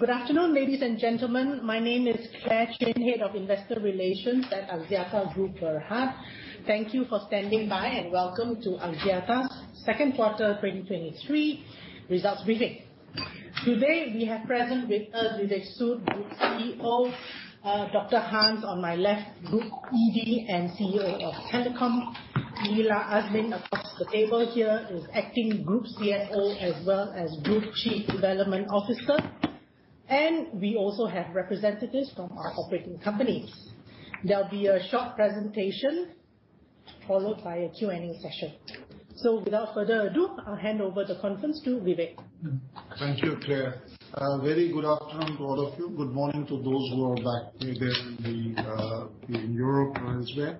Good afternoon, ladies and gentlemen. My name is Clare Chin, Head of Investor Relations at Axiata Group Berhad. Thank you for standing by, and welcome to Axiata's second quarter 2023 results briefing. Today, we have present with us, Vivek Sood, Group CEO, Dr. Hans, on my left, Group ED and CEO of Telecom. Lila Azmin, across the table here, is acting Group CFO, as well as Group Chief Development Officer, and we also have representatives from our operating companies. There'll be a short presentation, followed by a Q&A session. So without further ado, I'll hand over the conference to Vivek. Thank you, Clare. Very good afternoon to all of you. Good morning to those who are back maybe in the, in Europe, wherever.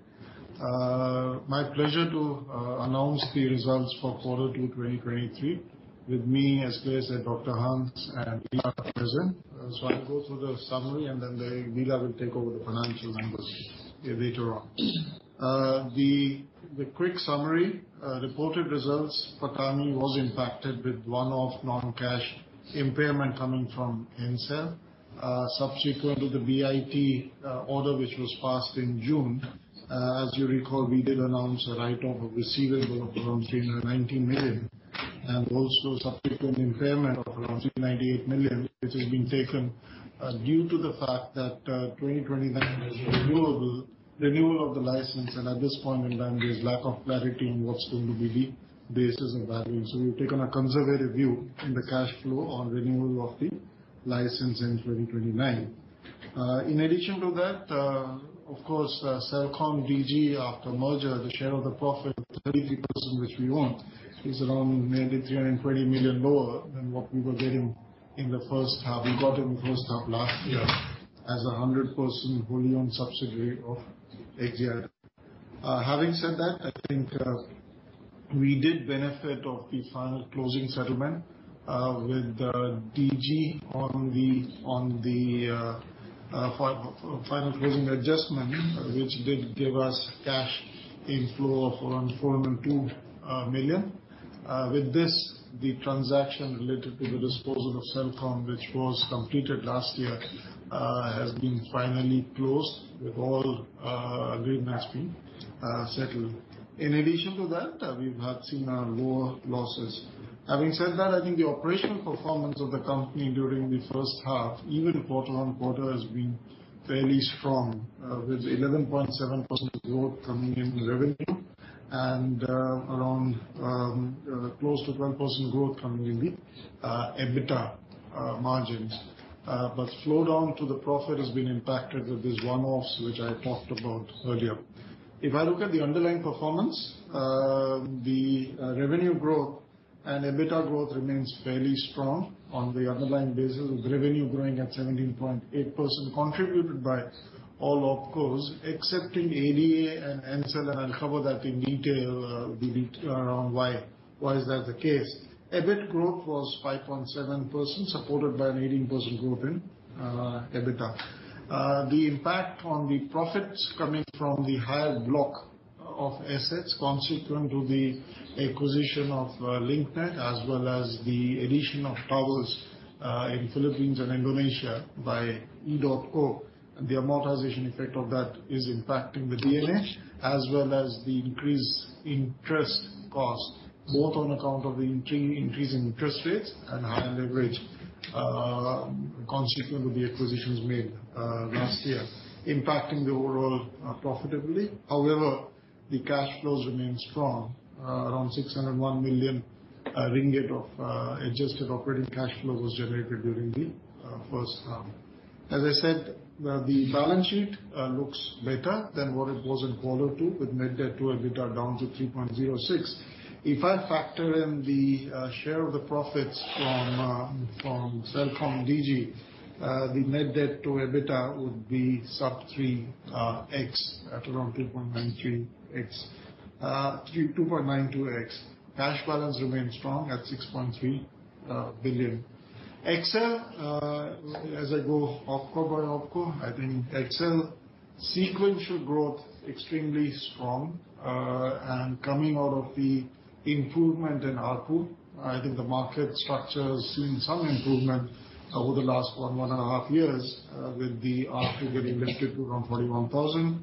My pleasure to announce the results for Q2 2023. With me, as Clare said, Dr. Hans and Lila are present. So I'll go through the summary, and then Lila will take over the financial numbers later on. The quick summary, reported results for Axiata was impacted with one-off non-cash impairment coming from Ncell. Subsequent to the BIT order, which was passed in June, as you recall, we did announce a write-off of receivable of around 390 million, and also subsequent impairment of around 298 million, which has been taken due to the fact that 2029 is renewable, renewal of the license, and at this point in time, there's lack of clarity on what's going to be the basis of that. So we've taken a conservative view in the cash flow on renewal of the license in 2029. In addition to that, of course, CelcomDigi, after merger, the share of the profit, 33%, which we own, is around maybe 320 million lower than what we were getting in the first half. We got in the first half last year as 100% wholly owned subsidiary of Axiata. Having said that, I think, we did benefit of the final closing settlement with Digi on the final closing adjustment, which did give us cash inflow of around 402 million. With this, the transaction related to the disposal of Celcom, which was completed last year, has been finally closed, with all agreements being settled. In addition to that, we've had seen lower losses. Having said that, I think the operational performance of the company during the first half, even quarter-on-quarter, has been fairly strong, with 11.7% growth coming in revenue and around close to 12% growth coming in the EBITDA margins. But flow down to the profit has been impacted with these one-offs, which I talked about earlier. If I look at the underlying performance, the revenue growth and EBITDA growth remains fairly strong on the underlying basis, with revenue growing at 17.8%, contributed by all opcos, excepting ADA and Ncell, and I'll cover that in detail, the details around why, why is that the case. EBIT growth was 5.7%, supported by an 18% growth in EBITDA. The impact on the profits coming from the higher block of assets consequent to the acquisition of Link Net, as well as the addition of towers in Philippines and Indonesia by edotco, the amortization effect of that is impacting the D&A, as well as the increased interest costs, both on account of the increasing interest rates and higher leverage, consequent to the acquisitions made last year, impacting the overall profitability. However, the cash flows remain strong. Around 601 million ringgit of adjusted operating cash flow was generated during the first half. As I said, the balance sheet looks better than what it was in quarter two, with net debt to EBITDA down to 3.06. If I factor in the share of the profits from CelcomDigi, the net debt to EBITDA would be sub-3x at around 2.93x. 2.92x. Cash balance remains strong at 6.3 billion. XL, as I go OpCo by OpCo, I think XL sequential growth extremely strong, and coming out of the improvement in ARPU. I think the market structure has seen some improvement over the last one and a half years, with the ARPU getting lifted to around 41,000,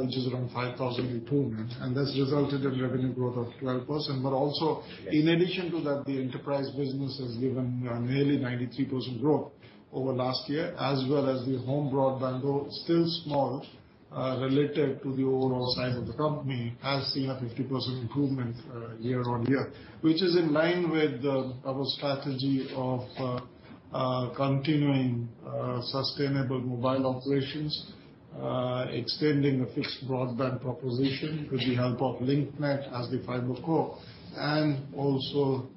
which is around 5,000 improvement, and that's resulted in revenue growth of 12%. But also, in addition to that, the enterprise business has given nearly 93% growth over last year, as well as the home broadband, though still small, related to the overall size of the company, has seen a 50% improvement year-on-year. Which is in line with our strategy of continuing sustainable mobile operations, extending the fixed broadband proposition with the help of Link Net as the fiber core, and also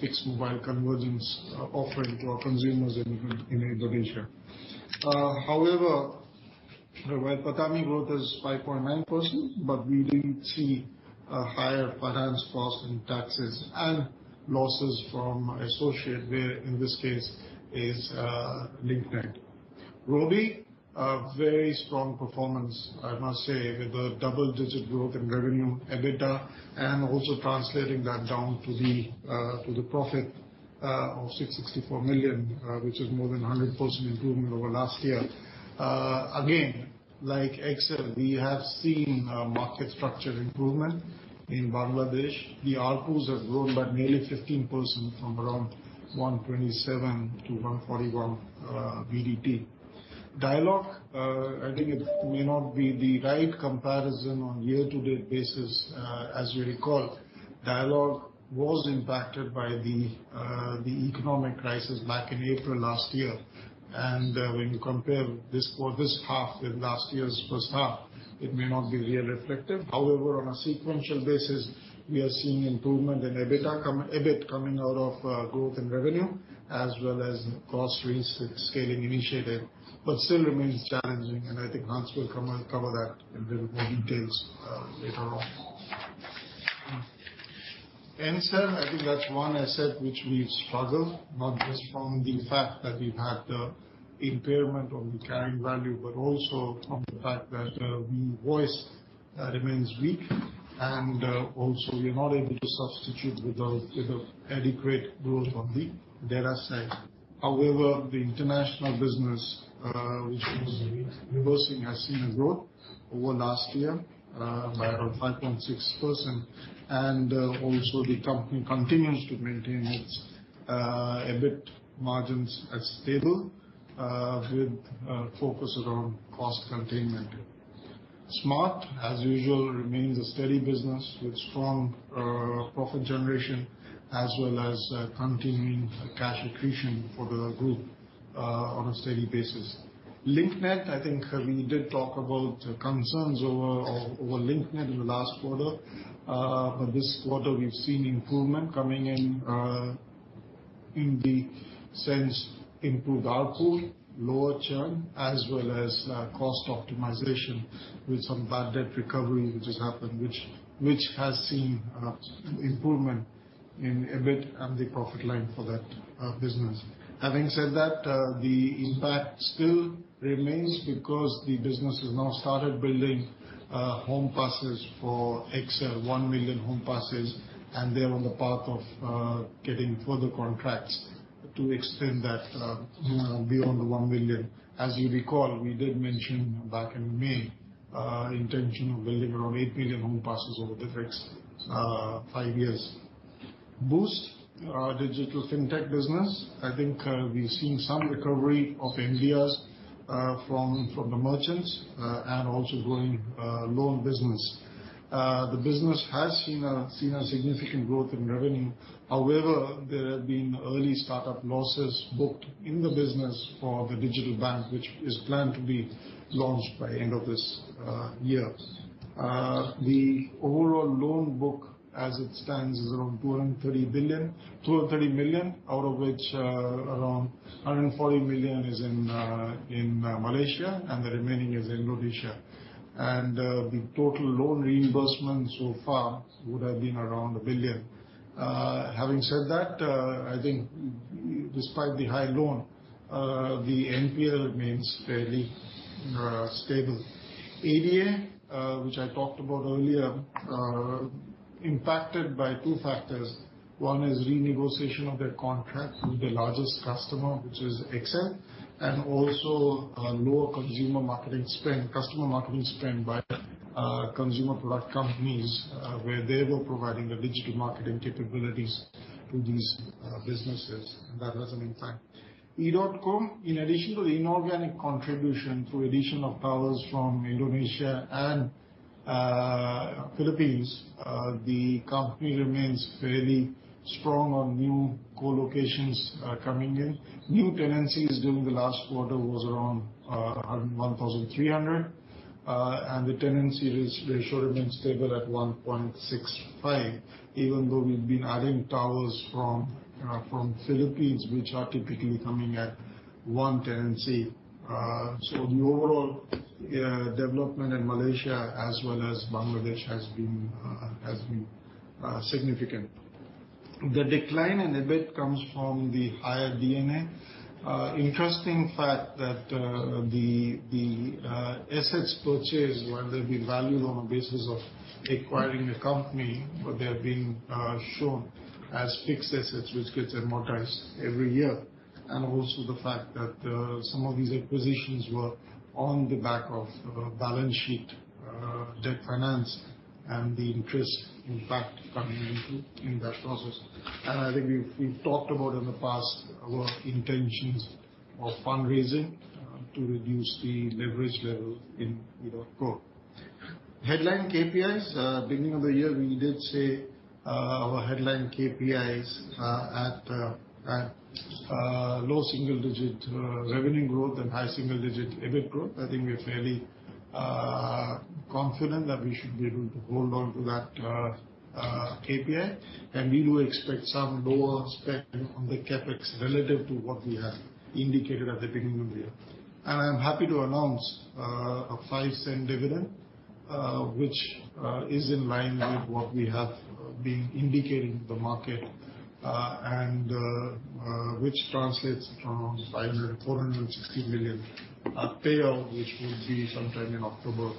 fixed mobile convergence offering to our consumers in Indonesia. However, while PATAMI growth is 5.9%, but we did see a higher finance cost in taxes and losses from associate, where in this case is Link Net. Robi, a very strong performance, I must say, with a double-digit growth in revenue, EBITDA, and also translating that down to the profit of BDT 664 million, which is more than 100% improvement over last year. Again, like XL, we have seen a market structure improvement in Bangladesh. The ARPUs have grown by nearly 15% from around BDT 127 to BDT 141. Dialog, I think it may not be the right comparison on year-to-date basis. As you recall, Dialog was impacted by the economic crisis back in April last year, and when you compare this for this half with last year's first half, it may not be real reflective. However, on a sequential basis, we are seeing improvement in EBITDA, EBIT coming out of growth in revenue, as well as cost rescaling initiative, but still remains challenging, and I think Hans will come and cover that in little more details later on. Ncell, I think that's one asset which we've struggled, not just from the fact that we've had the impairment of the carrying value, but also from the fact that the voice remains weak, and also we are not able to substitute with the adequate growth on the data side. However, the international business, which was reversing, has seen a growth over last year by around 5.6%. And also the company continues to maintain its EBIT margins as stable with focus around cost containment. Smart, as usual, remains a steady business with strong profit generation, as well as continuing cash accretion for the group on a steady basis. Link Net, I think, we did talk about the concerns over Link Net in the last quarter. But this quarter we've seen improvement coming in in the sense improved ARPU, lower churn, as well as cost optimization with some bad debt recovery, which has happened, which has seen an improvement in EBIT and the profit line for that business. Having said that, the impact still remains because the business has now started building home passes for XL, 1 million home passes, and they're on the path of getting further contracts to extend that, you know, beyond the 1 million. As you recall, we did mention back in May, intention of building around 8 million home passes over the next five years. Boost, our digital fintech business, I think, we've seen some recovery of MDRs from the merchants and also growing loan business. The business has seen a significant growth in revenue. However, there have been early start-up losses booked in the business for the digital bank, which is planned to be launched by end of this year. The overall loan book, as it stands, is around 230 billion- 230 million, out of which around 140 million is in Malaysia, and the remaining is in Indonesia. The total loan reimbursement so far would have been around 1 billion. Having said that, I think despite the high loan, the NPL remains fairly stable. ADA, which I talked about earlier, impacted by two factors. One is renegotiation of their contract with the largest customer, which is XL, and also a lower customer marketing spend by consumer product companies, where they were providing the digital marketing capabilities to these businesses, and that has an impact. edotco, in addition to the inorganic contribution through addition of towers from Indonesia and Philippines, the company remains fairly strong on new co-locations coming in. New tenancies during the last quarter was around 1,300, and the tenancy ratio remains stable at 1.65, even though we've been adding towers from Philippines, which are typically coming at one tenancy. So the overall development in Malaysia as well as Bangladesh has been significant. The decline in EBIT comes from the higher D&A. Interesting fact that the assets purchased, while they've been valued on the basis of acquiring a company, but they have been shown as fixed assets, which gets amortized every year. And also the fact that some of these acquisitions were on the back of a balance sheet debt finance, and the interest impact coming into in that process. And I think we've talked about in the past our intentions of fundraising to reduce the leverage level in edotco. Headline KPIs, beginning of the year, we did say our headline KPIs at low single digit revenue growth and high single digit EBIT growth. I think we're fairly confident that we should be able to hold on to that KPI, and we do expect some lower spend on the CapEx relative to what we have indicated at the beginning of the year. I'm happy to announce a 0.05 dividend.... which is in line with what we have been indicating to the market, and which translates to around 460 million payout, which will be sometime in October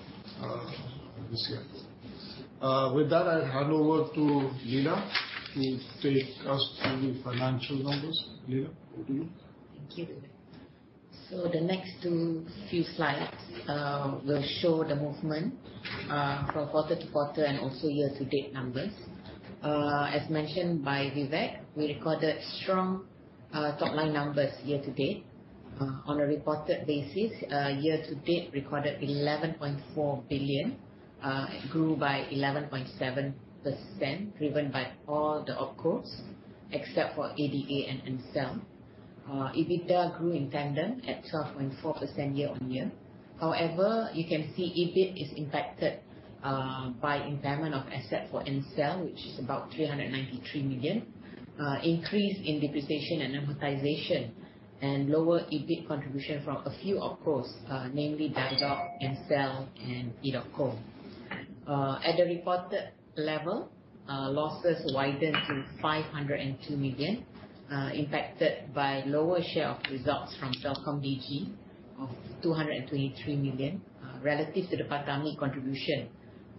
this year. With that, I hand over to Lila to take us through the financial numbers. Lila, over to you. Thank you. So the next two few slides will show the movement from quarter to quarter and also year-to-date numbers. As mentioned by Vivek, we recorded strong top-line numbers year to date. On a reported basis, year to date recorded 11.4 billion; it grew by 11.7%, driven by all the OpCos, except for ADA and Ncell. EBITDA grew in tandem at 12.4% year-on-year. However, you can see EBIT is impacted by impairment of asset for Ncell, which is about 393 million. Increase in depreciation and amortization, and lower EBIT contribution from a few OpCos, namely Dialog, Ncell, and edotco. At the reported level, losses widened to 502 million, impacted by lower share of results from CelcomDigi of 223 million, relative to the PATAMI contribution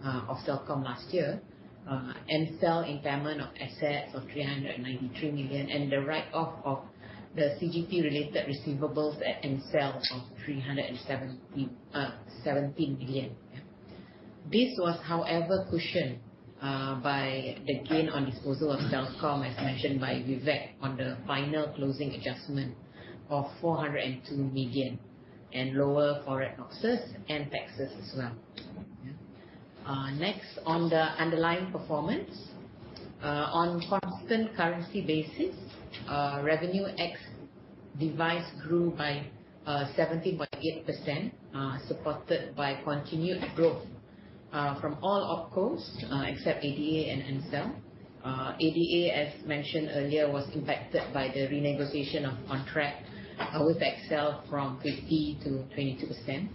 of CelcomDigi last year. Ncell impairment of assets of 393 million, and the write-off of the CGT-related receivables at Ncell of 377 million. This was, however, cushioned by the gain on disposal of CelcomDigi, as mentioned by Vivek, on the final closing adjustment of 402 million, and lower ForEx and taxes as well. Next, on the underlying performance. On constant currency basis, revenue ex device grew by 17.8%, supported by continued growth from all opcos, except ADA and Ncell. ADA, as mentioned earlier, was impacted by the renegotiation of contract with XL from 50% to 22%.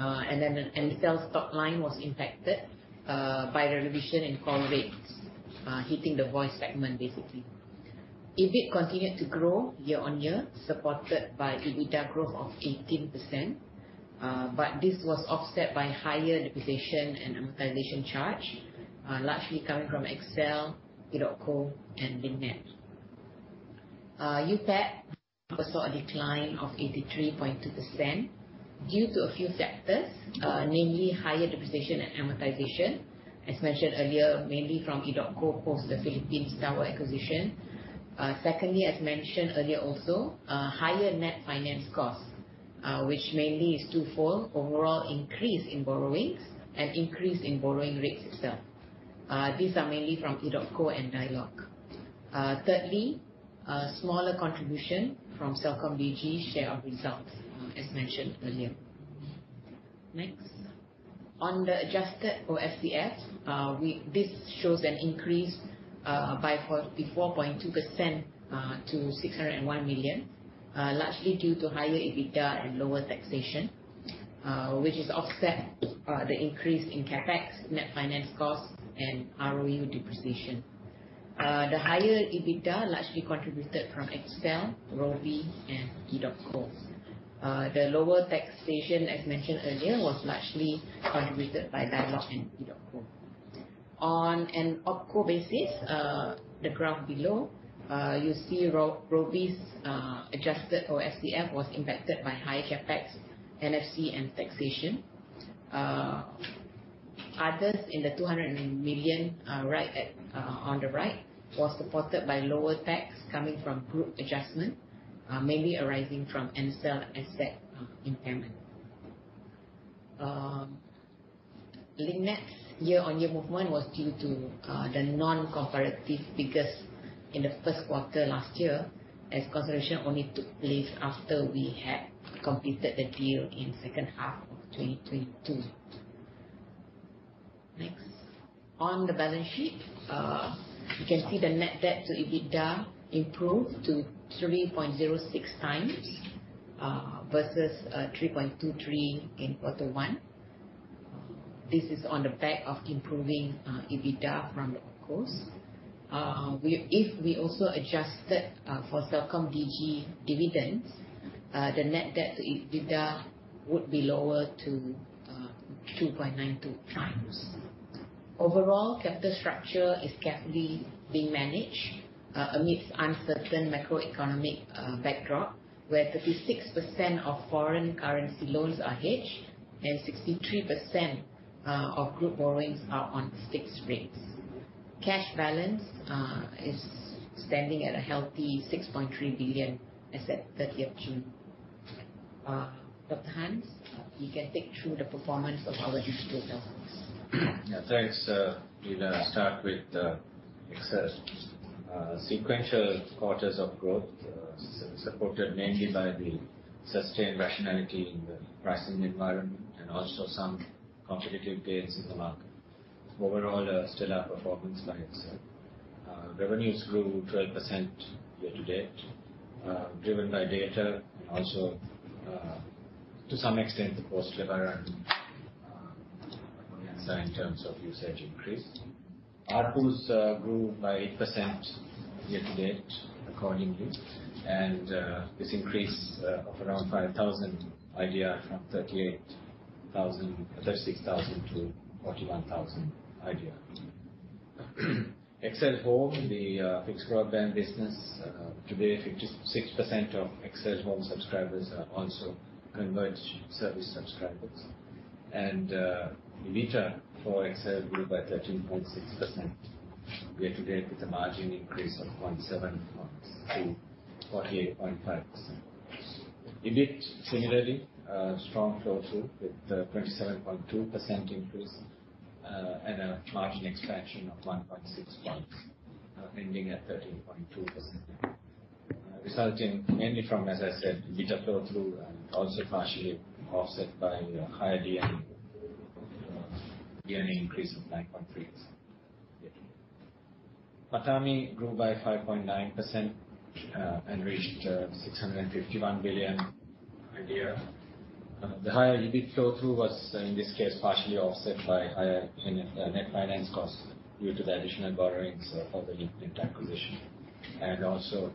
And then Ncell's top line was impacted by the revision in call rates, hitting the voice segment, basically. EBIT continued to grow year-on-year, supported by EBITDA growth of 18%, but this was offset by higher depreciation and amortization charge, largely coming from XL, edotco, and Link Net. You had a decline of 83.2% due to a few factors, namely higher depreciation and amortization. As mentioned earlier, mainly from edotco, post the Philippines tower acquisition. Secondly, as mentioned earlier, also, higher net finance costs, which mainly is twofold: overall increase in borrowings and increase in borrowing rates itself. These are mainly from edotco and Dialog. Thirdly, smaller contribution from CelcomDigi share of results, as mentioned earlier. Next. On the adjusted OCF, this shows an increase by 44.2% to 601 million, largely due to higher EBITDA and lower taxation, which has offset the increase in CapEx, net finance costs, and D&A depreciation. The higher EBITDA largely contributed from XL, Robi, and edotco. The lower taxation, as mentioned earlier, was largely contributed by Dialog and edotco. On an OpCo basis, the graph below, you see Robi's adjusted OCF was impacted by high CapEx, NFC and taxation. Others in the 200 million, right at, on the right, was supported by lower tax coming from group adjustment, mainly arising from Ncell asset impairment. Link Net's year-on-year movement was due to the non-comparative figures in the first quarter last year, as consolidation only took place after we had completed the deal in second half of 2022. Next. On the balance sheet, you can see the net debt to EBITDA improved to 3.06x versus 3.23x in quarter one. This is on the back of improving EBITDA from the OpCos. If we also adjusted for CelcomDigi dividends, the net debt to EBITDA would be lower to 2.92x. Overall, capital structure is carefully being managed amidst uncertain macroeconomic backdrop, where 36% of foreign currency loans are hedged and 63% of group borrowings are on fixed rates. Cash balance is standing at a healthy 6.3 billion as at 30th of June. Dr. Hans, you can take through the performance of our digital talents. Yeah. Thanks, Lila. I start with XL. Sequential quarters of growth supported mainly by the sustained rationality in the pricing environment and also some competitive gains in the market. Overall, still our performance by itself.... Revenues grew 12% year-to-date, driven by data, also, to some extent, the price lever and, in terms of usage increase. ARPU grew by 8% year-to-date, accordingly, and this increase of around 5,000 IDR from 36,000 to 41,000 IDR. XL Home, the fixed broadband business, today, 56% of XL Home subscribers are also converged service subscribers. EBITDA for XL grew by 13.6% year-to-date, with a margin increase of 0.7 points to 48.5%. EBIT, similarly, strong flow-through with 27.2% increase, and a margin expansion of 1.6 points, ending at 13.2%. Resulting mainly from, as I said, EBITDA flow-through and also partially offset by a higher D&A, yearly increase of 9.3%. PATAMI grew by 5.9%, and reached 651 billion. The higher EBIT flow-through was, in this case, partially offset by higher net finance costs due to the additional borrowings for the Link Net acquisition, and also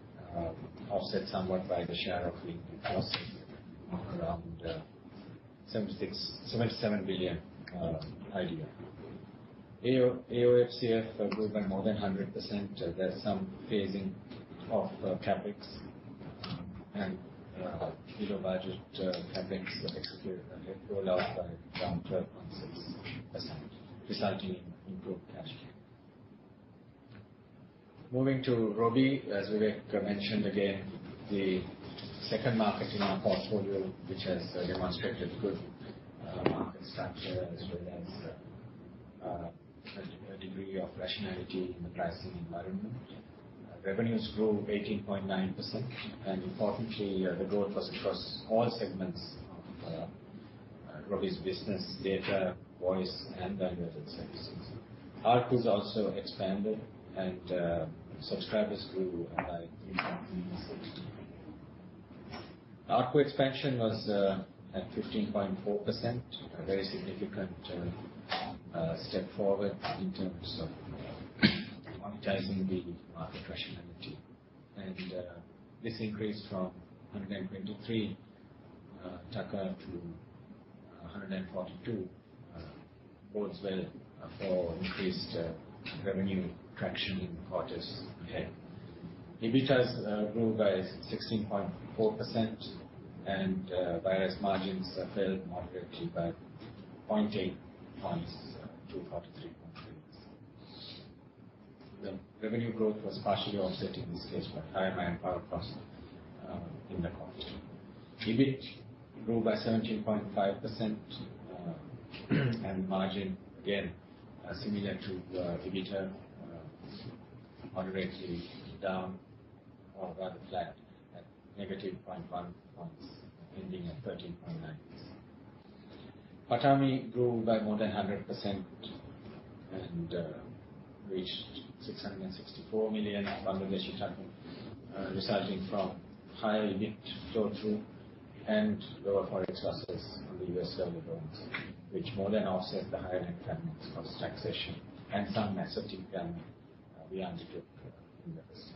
offset somewhat by the share of the losses around IDR 76 billion-IDR 77 billion. AOFCF grew by more than 100%. There's some phasing of CapEx, and below budget CapEx executed and rolled out by around 12.6%, resulting in improved cash flow. Moving to Robi, as Vivek mentioned, again, the second market in our portfolio, which has demonstrated good market structure, as well as a degree of rationality in the pricing environment. Revenues grew 18.9%, and importantly, the growth was across all segments of Robi's business, data, voice, and value-added services. ARPU is also expanded and subscribers grew by 3.6%. ARPU expansion was at 15.4%, a very significant step forward in terms of monetizing the market rationality. And this increased from BDT 123 to BDT 142 bodes well for increased revenue traction in quarters ahead. EBITDA grew by 16.4%, and whereas margins fell moderately by 0.8 points to 43.3%. The revenue growth was partially offset in this case by higher manpower costs in the quarter. EBIT grew by 17.5%, and margin, again, similar to, EBITDA, moderately down or rather flat, at -0.1 points, ending at 13.9%. PATAMI grew by more than 100% and, reached BDT 664 million, resulting from higher EBIT flow-through, and lower foreign exchanges on the US dollar, which more than offset the higher income cost, taxation, and some messaging gain we undertook in the business.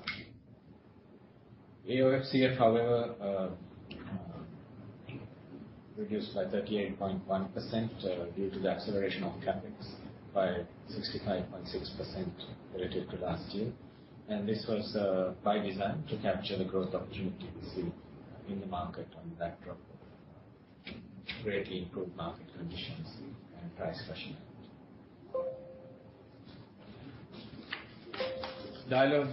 AOFCF, however, reduced by 38.1%, due to the acceleration of CapEx by 65.6% relative to last year. And this was, by design, to capture the growth opportunities in, in the market on the backdrop of greatly improved market conditions and price rationality. Dialog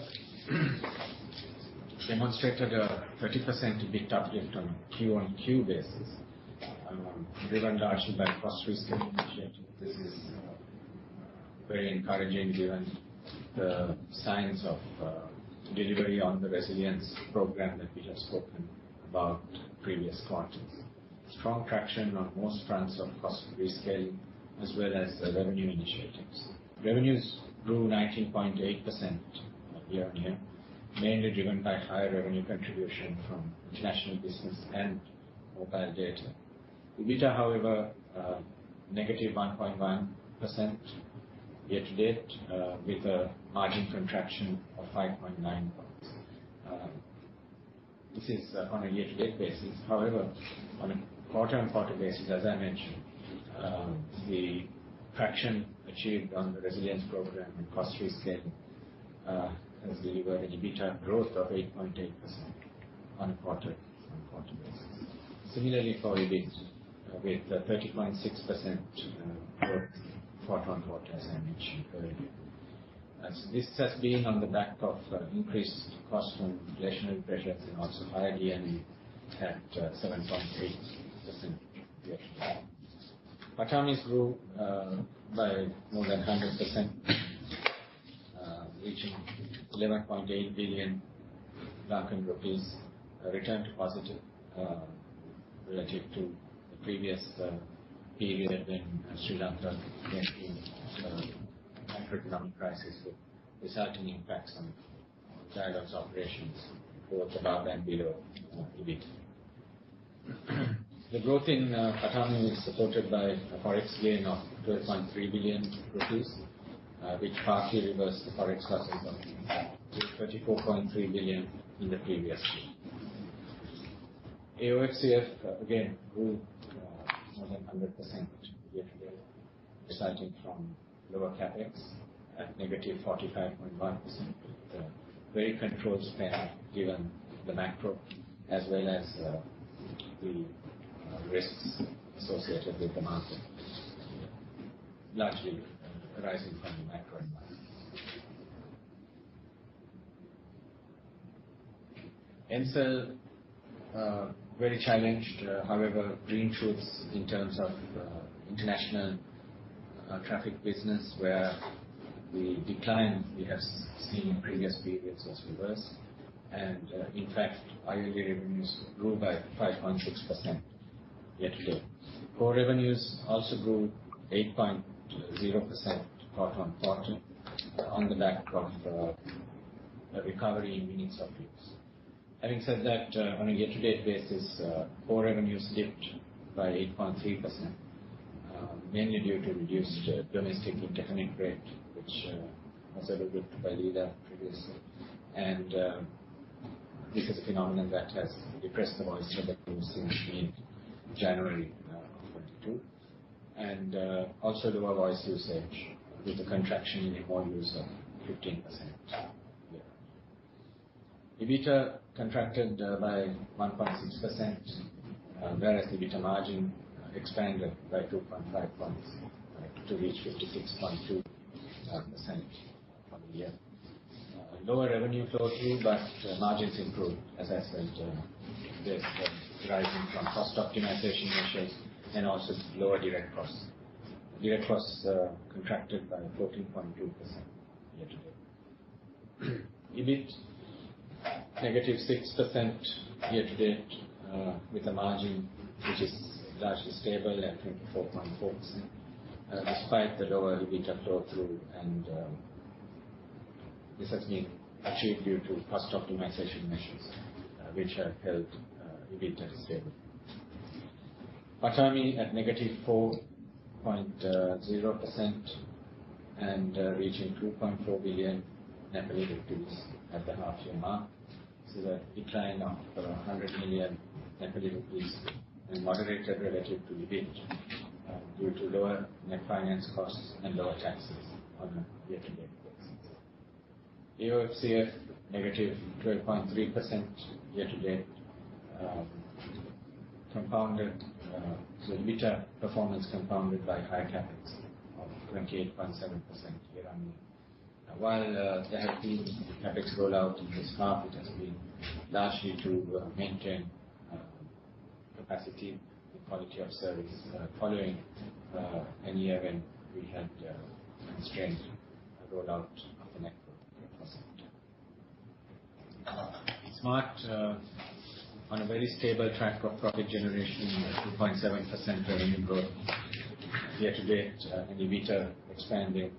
demonstrated a 30% EBITDA lift on a quarter-on-quarter basis, driven largely by cost rescaling initiative. This is very encouraging, given the signs of delivery on the resilience program that we have spoken about previous quarters. Strong traction on most fronts of cost rescaling, as well as the revenue initiatives. Revenues grew 19.8% year-on-year, mainly driven by higher revenue contribution from international business and mobile data. EBITDA, however, negative 1.1% year-to-date, with a margin contraction of 5.9 points. This is on a year-to-date basis. However, on a quarter-on-quarter basis, as I mentioned, the traction achieved on the resilience program and cost rescaling has delivered an EBITDA growth of 8.8% on a quarter-on-quarter basis. Similarly for EBIT, with a 30.6% growth quarter-on-quarter, as I mentioned earlier. As this has been on the back of increased cost from inflationary pressures and also higher D&A at 7.8% year to date. PATAMI grew by more than 100%, reaching LKR 11.8 billion, returned to positive relative to the previous period when Sri Lanka went in macroeconomic crisis. So this certainly impacts on Dialog's operations, both above and below EBITDA. The growth in PATAMI is supported by a ForEx gain of LKR 12.3 billion, which partly reversed the ForEx losses of LKR 24.3 billion in the previous year. AOFCF, again, grew more than 100% year-to-date, resulting from lower CapEx at -45.1%. The very controls they have given the macro, as well as the risks associated with the market, largely arising from the macro environment. Ncell very challenged, however, green shoots in terms of international traffic business, where the decline we have seen in previous periods was reversed. In fact, EBITDA revenues grew by 5.6% year-to-date. Core revenues also grew 8.0% quarter-on-quarter on the back of a recovery in minutes of use. Having said that, on a year-to-date basis, core revenues dipped by 8.3%, mainly due to reduced domestic interconnect rate, which was alluded by Lila previously. This is a phenomenon that has depressed the voice revenue since mid-January 2022. Also lower voice usage, with a contraction in volumes of 15% year. EBITDA contracted by 1.6%, whereas EBITDA margin expanded by 2.5 points to reach 56.2% from the year. Lower revenue flow through, but margins improved, as I said, this rising from cost optimization measures and also lower direct costs. Direct costs contracted by 14.2% year-to-date. EBIT -6% year-to-date, with a margin which is largely stable at 24.4%, despite the lower EBIT flow through and this has been achieved due to cost optimization measures, which have held EBIT stable. PATAMI at -4.0% and reaching NPR 2.4 billion at the halfway mark. This is a decline of around NPR 100 million and moderated relative to EBIT, due to lower net finance costs and lower taxes on a year-to-date basis. AOFCF, negative 12.3% year-to-date, compounded. So EBITDA performance compounded by high CapEx of 28.7% year-on-year. While there have been CapEx rollout in this half, it has been largely to maintain capacity and quality of service, following any event we had, strategy rollout of the network. Smart on a very stable track of profit generation, 2.7% revenue growth year-to-date, and EBITDA expanding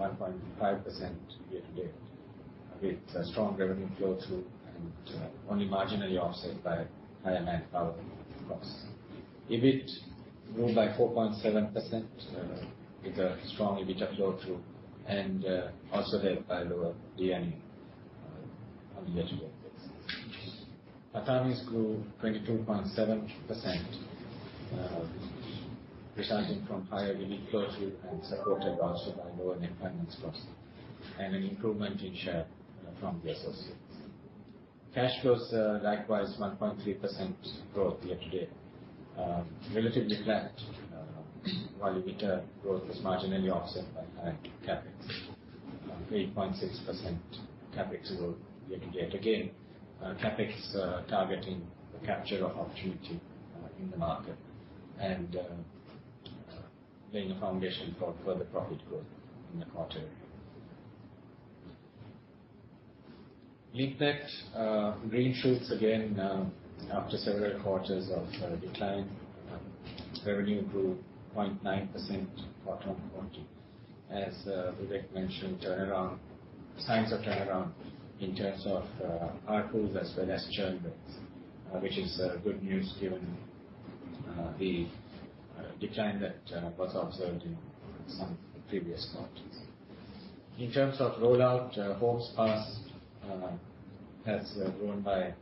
1.5% year-to-date, with a strong revenue flow through and only marginally offset by higher manpower costs. EBIT grew by 4.7%, with a strong EBIT flow through and also led by lower D&A on a year-to-date basis. PATAMI grew 22.7%, resulting from higher EBIT flow through and supported also by lower net finance costs, and an improvement in share from the associates. Cash flows likewise 1.3% growth year-to-date. Relatively flat, while EBITDA growth was marginally offset by higher CapEx, 8.6% CapEx growth year-to-date. Again, CapEx targeting the capture of opportunity in the market and laying the foundation for further profit growth in the quarter. Link Net green shoots again after several quarters of decline. Revenue grew 0.9% quarter-over-quarter. As Vivek mentioned, turnaround, signs of turnaround in terms of RPOs as well as churn rates, which is good news, given the decline that was observed in some previous quarters. In terms of rollout, homes passed has grown by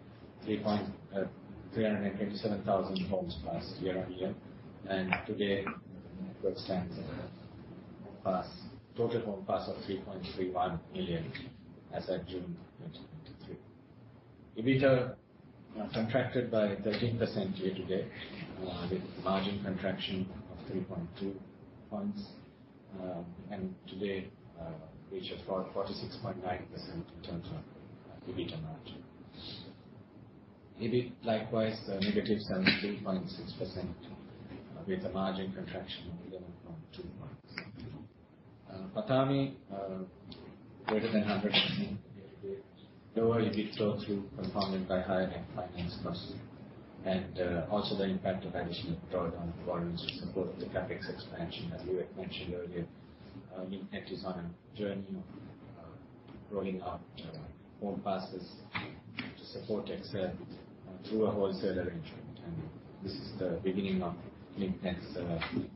327,000 homes passed year-over-year. Today, the network stands at homes passed, total homes passed of 3.31 million as at June 2023. EBITDA contracted by 13% year-to-date, with margin contraction of 3.2 points, and today reached 44.69% in terms of EBITDA margin.... EBIT, likewise, a negative 73.6%, with a margin contraction of 11.2 months. PATAMI, greater than 100% year-to-date. Lower EBIT flow through, compounded by higher net finance costs, and also the impact of additional draw down volumes to support the CapEx expansion, as Vivek mentioned earlier. Link Net is on a journey of rolling out home passes to support XL through a wholesaler arrangement, and this is the beginning of Link Net's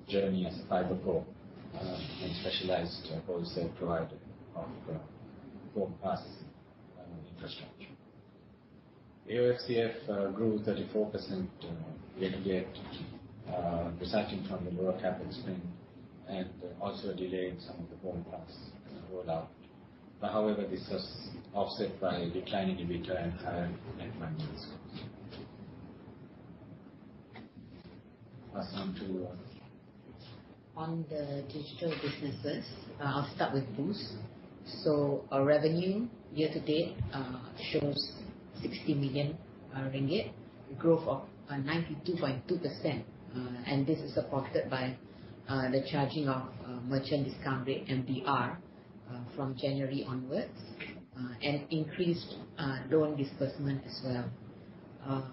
journey as a FiberCo and specialized wholesale provider of home passes and infrastructure. AOFCF grew 34% year-to-date, resulting from the lower CapEx spend and also a delay in some of the home pass roll out. But however, this was offset by a decline in EBITDA and higher net finances. Pass on to- On the digital businesses, I'll start with Boost. So our revenue year to date shows 60 million ringgit, growth of 92.2%. And this is supported by the charging of merchant discount rate, MDR, from January onwards, and increased loan disbursement as well.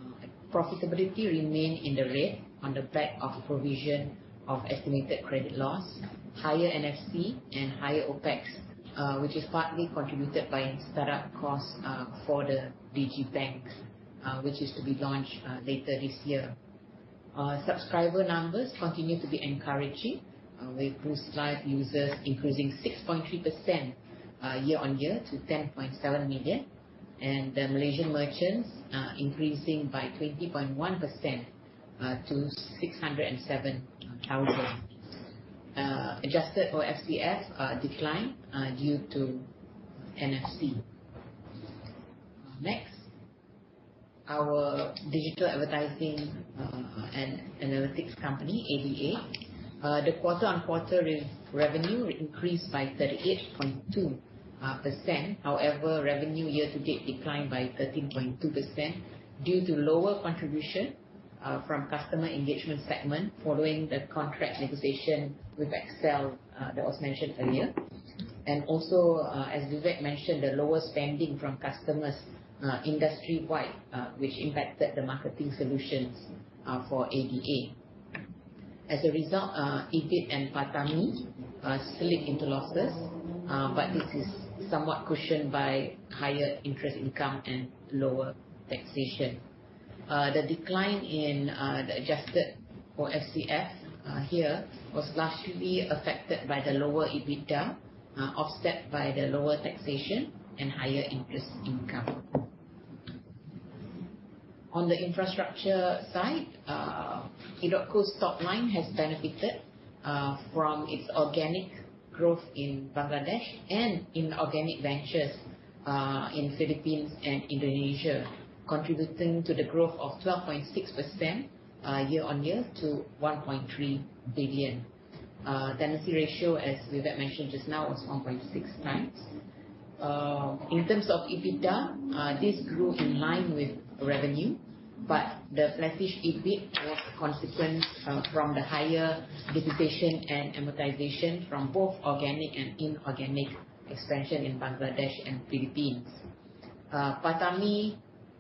Profitability remained in the red on the back of provision of estimated credit loss, higher NFC and higher OpEx, which is partly contributed by start-up costs for the digital banks, which is to be launched later this year. Subscriber numbers continue to be encouraging, with Boost live users increasing 6.3% year-on-year to 10.7 million, and the Malaysian merchants increasing by 20.1% to 607,000. Adjusted for FCF, decline due to NFC. Next, our digital advertising and analytics company, ADA. The quarter-on-quarter revenue increased by 38.2%. However, revenue year-to-date declined by 13.2% due to lower contribution from customer engagement segment, following the contract negotiation with XL that was mentioned earlier. Also, as Vivek mentioned, the lower spending from customers industry-wide, which impacted the marketing solutions for ADA. As a result, EBIT and PATAMI are still in losses, but this is somewhat cushioned by higher interest income and lower taxation. The decline in the adjusted for FCF here was largely affected by the lower EBITDA, offset by the lower taxation and higher interest income. On the infrastructure side, edotco's top line has benefited from its organic growth in Bangladesh and inorganic ventures in Philippines and Indonesia, contributing to the growth of 12.6% year-on-year to 1.3 billion. Tenancy ratio, as Vivek mentioned just now, was 1.6x. In terms of EBITDA, this grew in line with revenue, but the flatish EBIT was a consequence from the higher depreciation and amortization from both organic and inorganic expansion in Bangladesh and Philippines. PATAMI,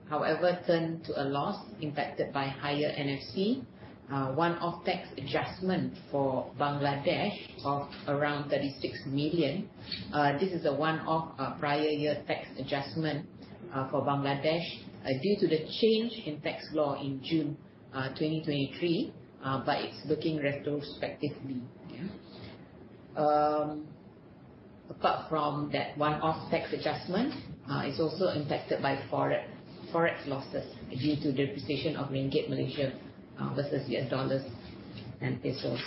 however, turned to a loss impacted by higher NFC. One-off tax adjustment for Bangladesh of around 36 million. This is a one-off prior year tax adjustment for Bangladesh due to the change in tax law in June 2023, but it's looking retrospectively. Yeah. Apart from that one-off tax adjustment, it's also impacted by forex, forex losses due to depreciation of ringgit Malaysia versus U.S. dollars and pesos.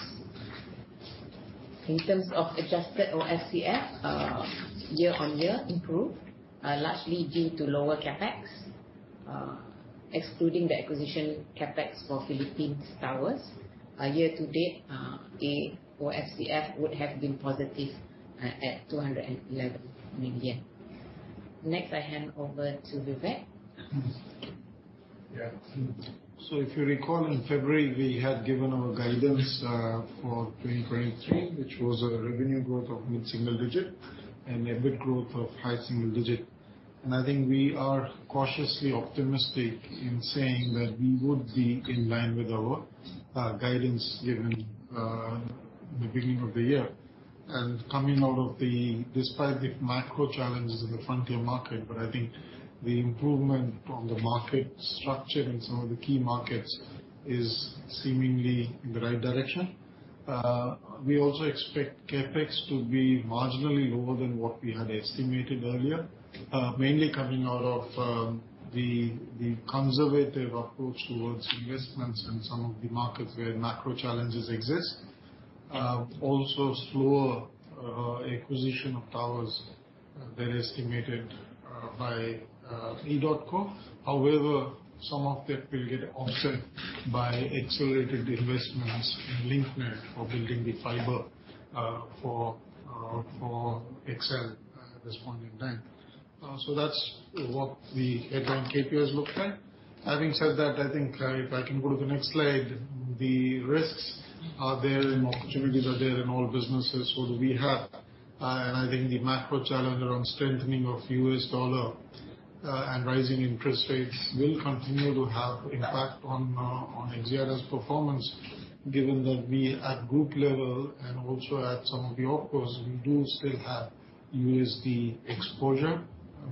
In terms of adjusted AOFCF, year-on-year improved, largely due to lower CapEx, excluding the acquisition CapEx for Philippines towers. Year to date, AOFCF would have been positive at 211 million. Next, I hand over to Vivek. Yeah. So if you recall, in February, we had given our guidance for 2023, which was a revenue growth of mid-single digit and EBIT growth of high single digit. I think we are cautiously optimistic in saying that we would be in line with our guidance given in the beginning of the year. Coming out of the... despite the macro challenges in the frontier market, but I think the improvement on the market structure in some of the key markets is seemingly in the right direction. We also expect CapEx to be marginally lower than what we had estimated earlier, mainly coming out of the conservative approach towards investments in some of the markets where macro challenges exist. Also slower acquisition of towers than estimated by edotco. However, some of that will get offset by accelerated investments in Link Net for building the fiber for XL-... this point in time. So that's what the headline KPIs look like. Having said that, I think, if I can go to the next slide, the risks are there and opportunities are there in all businesses. So do we have, and I think the macro challenge around strengthening of U.S. dollar, and rising interest rates will continue to have impact on, on Axiata's performance, given that we at group level and also at some of the OpCos, we do still have USD exposure.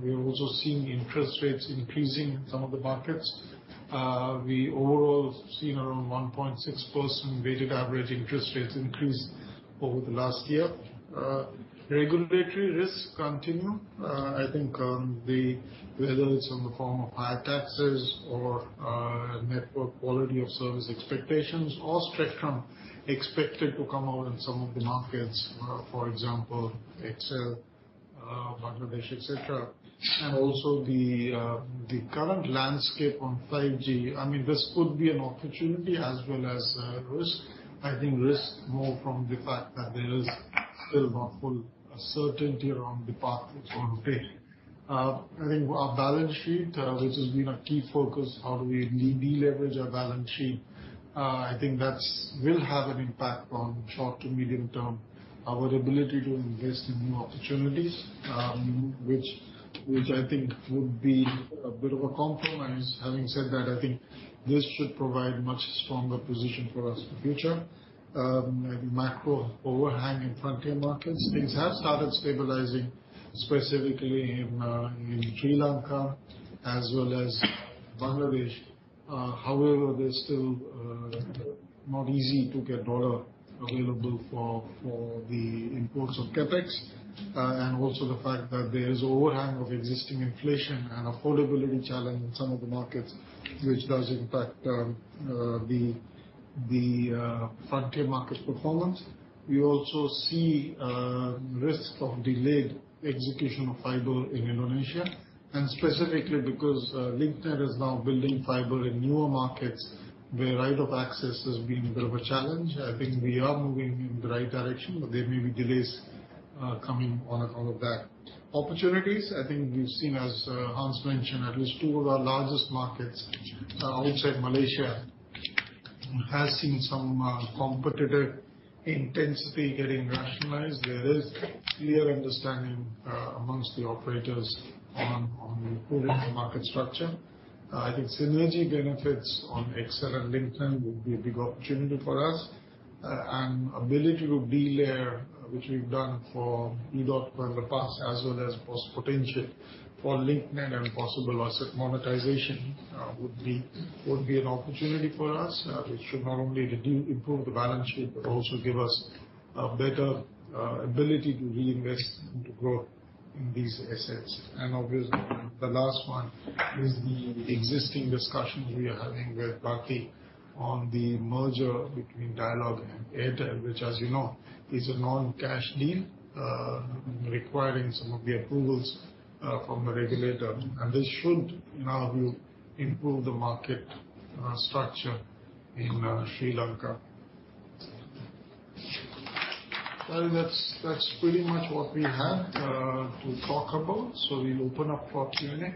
We're also seeing interest rates increasing in some of the markets. We overall have seen around 1.6% weighted average interest rates increase over the last year. Regulatory risks continue. I think, the, whether it's in the form of higher taxes or, network quality of service expectations or spectrum expected to come out in some of the markets, for example, XL, Bangladesh, et cetera. And also the current landscape on 5G. I mean, this could be an opportunity as well as risk. I think risk more from the fact that there is still not full certainty around the path it's going to take. I think our balance sheet, which has been a key focus, how do we de-leverage our balance sheet? I think that will have an impact on short- to medium-term, our ability to invest in new opportunities, which I think would be a bit of a compromise. Having said that, I think this should provide much stronger position for us in the future. I think macro overhang in frontier markets, things have started stabilizing, specifically in Sri Lanka as well as Bangladesh. However, they're still not easy to get dollar available for the imports of CapEx, and also the fact that there is overhang of existing inflation and affordability challenge in some of the markets, which does impact the frontier markets performance. We also see risk of delayed execution of fiber in Indonesia, and specifically because Link Net is now building fiber in newer markets where right of access has been a bit of a challenge. I think we are moving in the right direction, but there may be delays coming on account of that. Opportunities, I think we've seen, as Hans mentioned, at least two of our largest markets outside Malaysia, has seen some competitive intensity getting rationalized. There is clear understanding amongst the operators on improving the market structure. I think synergy benefits on XL and Link Net would be a big opportunity for us. And ability to delayer, which we've done for edotco in the past, as well as potential for Link Net and possible asset monetization would be, would be an opportunity for us. It should not only re-improve the balance sheet, but also give us a better ability to reinvest into growth in these assets. Obviously, the last one is the existing discussions we are having with Bharti on the merger between Dialog and Airtel, which, as you know, is a non-cash deal, requiring some of the approvals from the regulator. This should, in our view, improve the market structure in Sri Lanka. I think that's pretty much what we have to talk about, so we'll open up for Q&A.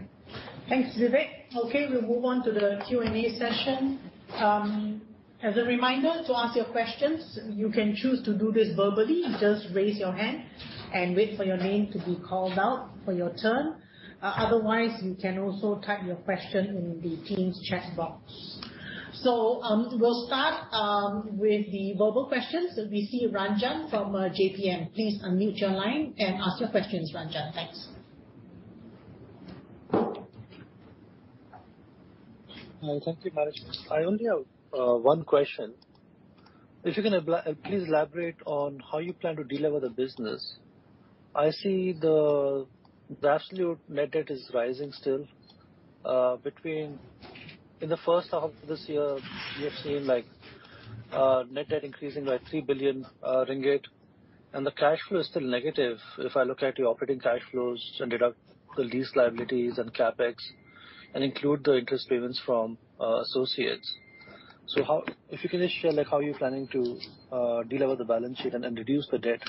Thanks, Vivek. Okay, we'll move on to the Q&A session. As a reminder to ask your questions, you can choose to do this verbally. Just raise your hand and wait for your name to be called out for your turn. Otherwise, you can also type your question in the Teams chat box. So, we'll start with the verbal questions. We see Ranjan from JPM. Please unmute your line and ask your questions, Ranjan. Thanks. Thank you, management. I only have one question. If you can please elaborate on how you plan to delever the business. I see the absolute net debt is rising still, between... In the first half of this year, we have seen, like, net debt increasing by 3 billion ringgit, and the cash flow is still negative. If I look at the operating cash flows and deduct the lease liabilities and CapEx, and include the interest payments from associates. So how... If you can just share, like, how you're planning to delever the balance sheet and reduce the debt?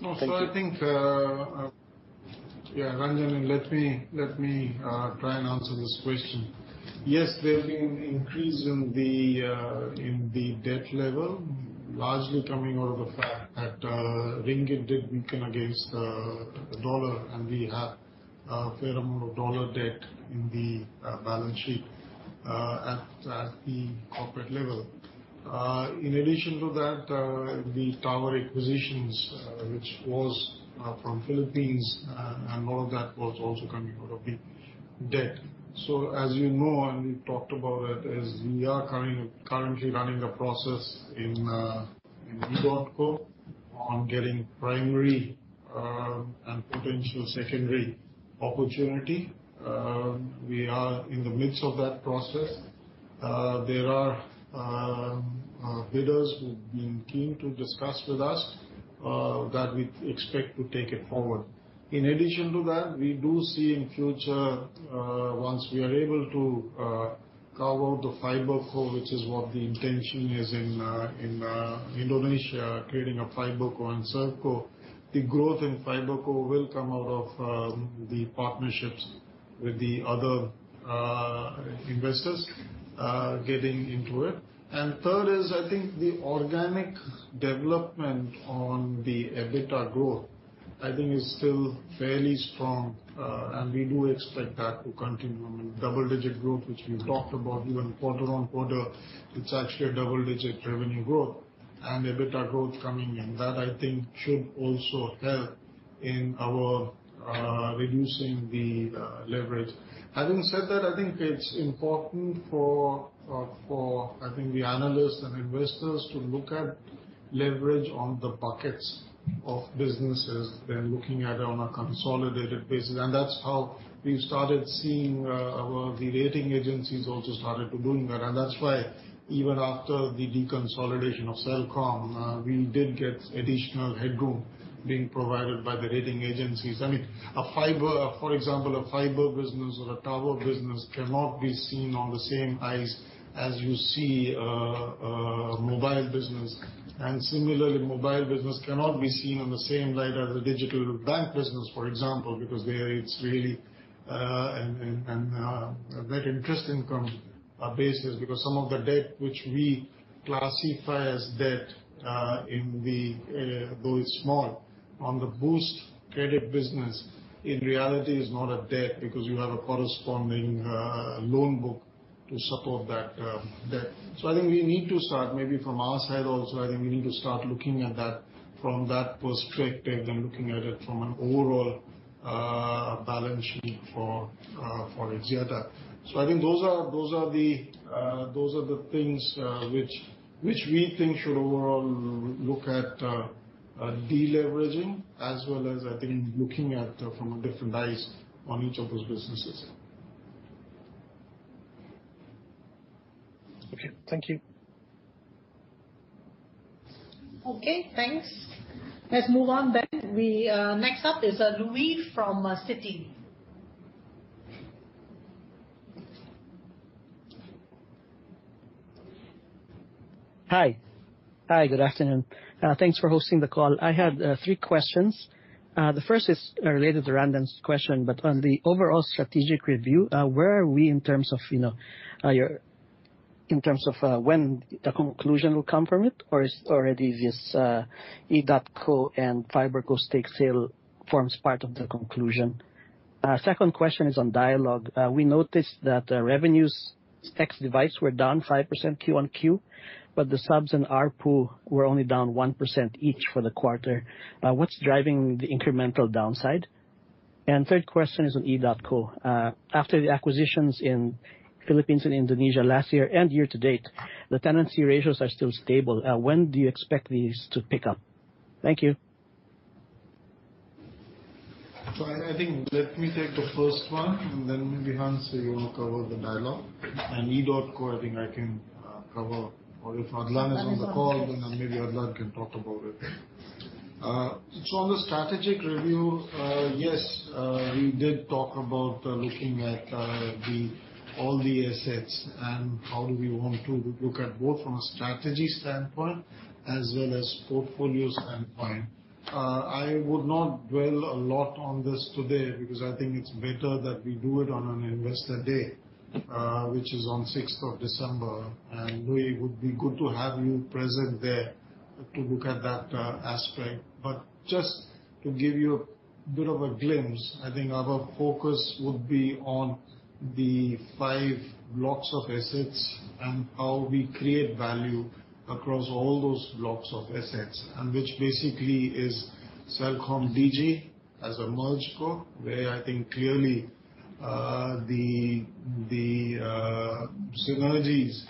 No, so I think, Yeah, Ranjan, let me try and answer this question. Yes, there has been an increase in the debt level, largely coming out of the fact that ringgit did weaken against the dollar, and we have a fair amount of dollar debt in the balance sheet at the corporate level. In addition to that, the tower acquisitions, which was from Philippines, and more of that was also coming out of the debt. So, as you know, and we talked about it, is we are currently running a process in edotco on getting primary and potential secondary opportunity. We are in the midst of that process. There are bidders who've been keen to discuss with us that we expect to take it forward. In addition to that, we do see in future once we are able to carve out the FiberCo, which is what the intention is in Indonesia, creating a FiberCo and Cellco. The growth in FiberCo will come out of the partnerships with the other investors getting into it. And third is, I think the organic development on the EBITDA growth, I think is still fairly strong, and we do expect that to continue. I mean, double-digit growth, which we've talked about even quarter-on-quarter, it's actually a double-digit revenue growth and EBITDA growth coming in. That, I think, should also help in our reducing the leverage. Having said that, I think it's important for the analysts and investors to look at leverage on the buckets of businesses, than looking at it on a consolidated basis. And that's how we've started seeing our the rating agencies also started to doing that. And that's why even after the deconsolidation of Celcom, we did get additional headroom being provided by the rating agencies. I mean, a fiber, for example, a fiber business or a tower business cannot be seen on the same eyes as you see a mobile business. And similarly, mobile business cannot be seen on the same light as a digital bank business, for example, because there it's really a very interest income basis. Because some of the debt which we classify as debt, in the, though it's small, on the Boost credit business, in reality is not a debt because you have a corresponding loan book to support that debt. So I think we need to start, maybe from our side also. I think we need to start looking at that from that perspective than looking at it from an overall balance sheet for for Axiata. So I think those are, those are the, those are the things which which we think should overall look at de-leveraging as well as, I think, looking at from a different eyes on each of those businesses. Okay. Thank you. Okay, thanks. Let's move on then. We next up is Luis from Citi. Hi. Hi, good afternoon. Thanks for hosting the call. I had three questions. The first is related to Ranjan's question, but on the overall strategic review, where are we in terms of, you know, your... In terms of, when the conclusion will come from it, or is already this, edotco and FiberCo stake sale forms part of the conclusion? Second question is on Dialog. We noticed that, revenues ex device were down 5% QoQ, but the subs and ARPU were only down 1% each for the quarter. What's driving the incremental downside? Third question is on edotco. After the acquisitions in Philippines and Indonesia last year and year to date, the tenancy ratios are still stable. When do you expect these to pick up? Thank you. So I, I think, let me take the first one, and then maybe, Hans, you want to cover the Dialog. And edotco, I think I can cover, or if Adlan is on the call, then maybe Adlan can talk about it. So on the strategic review, yes, we did talk about looking at the all the assets and how do we want to look at both from a strategy standpoint as well as portfolio standpoint. I would not dwell a lot on this today, because I think it's better that we do it on an investor day, which is on sixth of December, and would be good to have you present there to look at that aspect. But just to give you a bit of a glimpse, I think our focus would be on the five blocks of assets and how we create value across all those blocks of assets, and which basically is CelcomDigi as a merged co, where I think clearly the synergies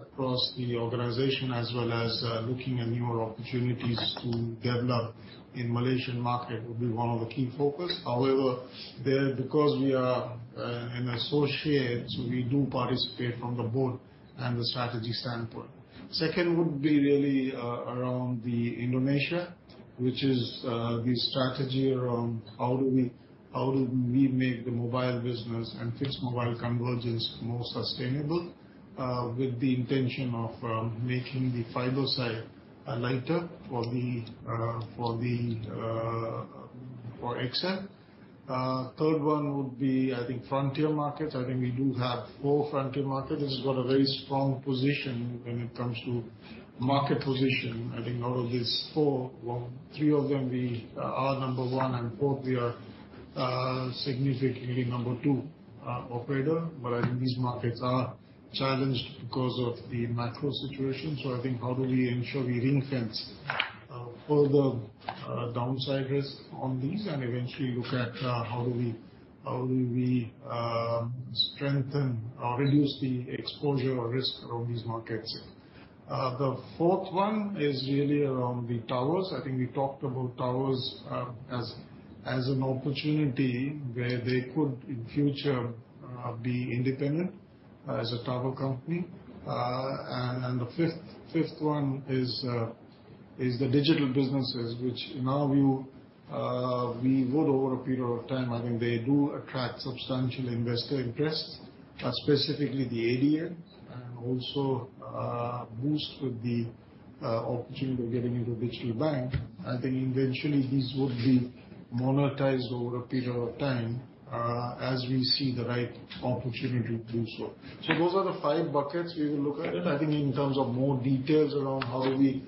across the organization, as well as looking at newer opportunities to develop in the Malaysian market would be one of the key focus. However, there, because we are an associate, so we do participate from the board and the strategy standpoint. Second would be really around Indonesia, which is the strategy around how do we, how do we make the mobile business and fixed mobile convergence more sustainable with the intention of making the fiber side lighter for Axiata. Third one would be, I think, frontier markets. I think we do have four frontier markets. This has got a very strong position when it comes to market position. I think out of these four, well, three of them, we are number one, and four, we are significantly number two operator. But I think these markets are challenged because of the macro situation. So I think how do we ensure we ring-fence further downside risk on these and eventually look at how do we, how do we strengthen or reduce the exposure or risk around these markets? The fourth one is really around the towers. I think we talked about towers as an opportunity where they could, in future, be independent as a tower company. And the fifth one is... is the digital businesses, which in our view, we would over a period of time, I think they do attract substantial investor interest, specifically the ADA, and also, Boost with the opportunity of getting into digital bank. I think eventually these would be monetized over a period of time, as we see the right opportunity to do so. So those are the five buckets we will look at it. I think in terms of more details around how we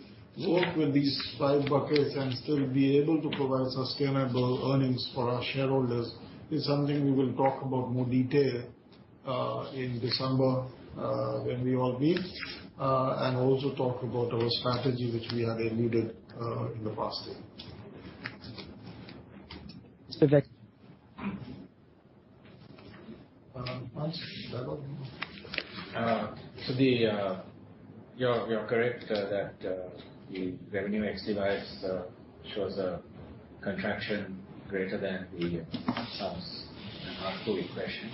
work with these five buckets and still be able to provide sustainable earnings for our shareholders, is something we will talk about more detail in December, when we all meet, and also talk about our strategy, which we have reviewed in the past. Mr. Hans. So you're correct that the revenue ex device shows a contraction greater than the sums and ARPU equation.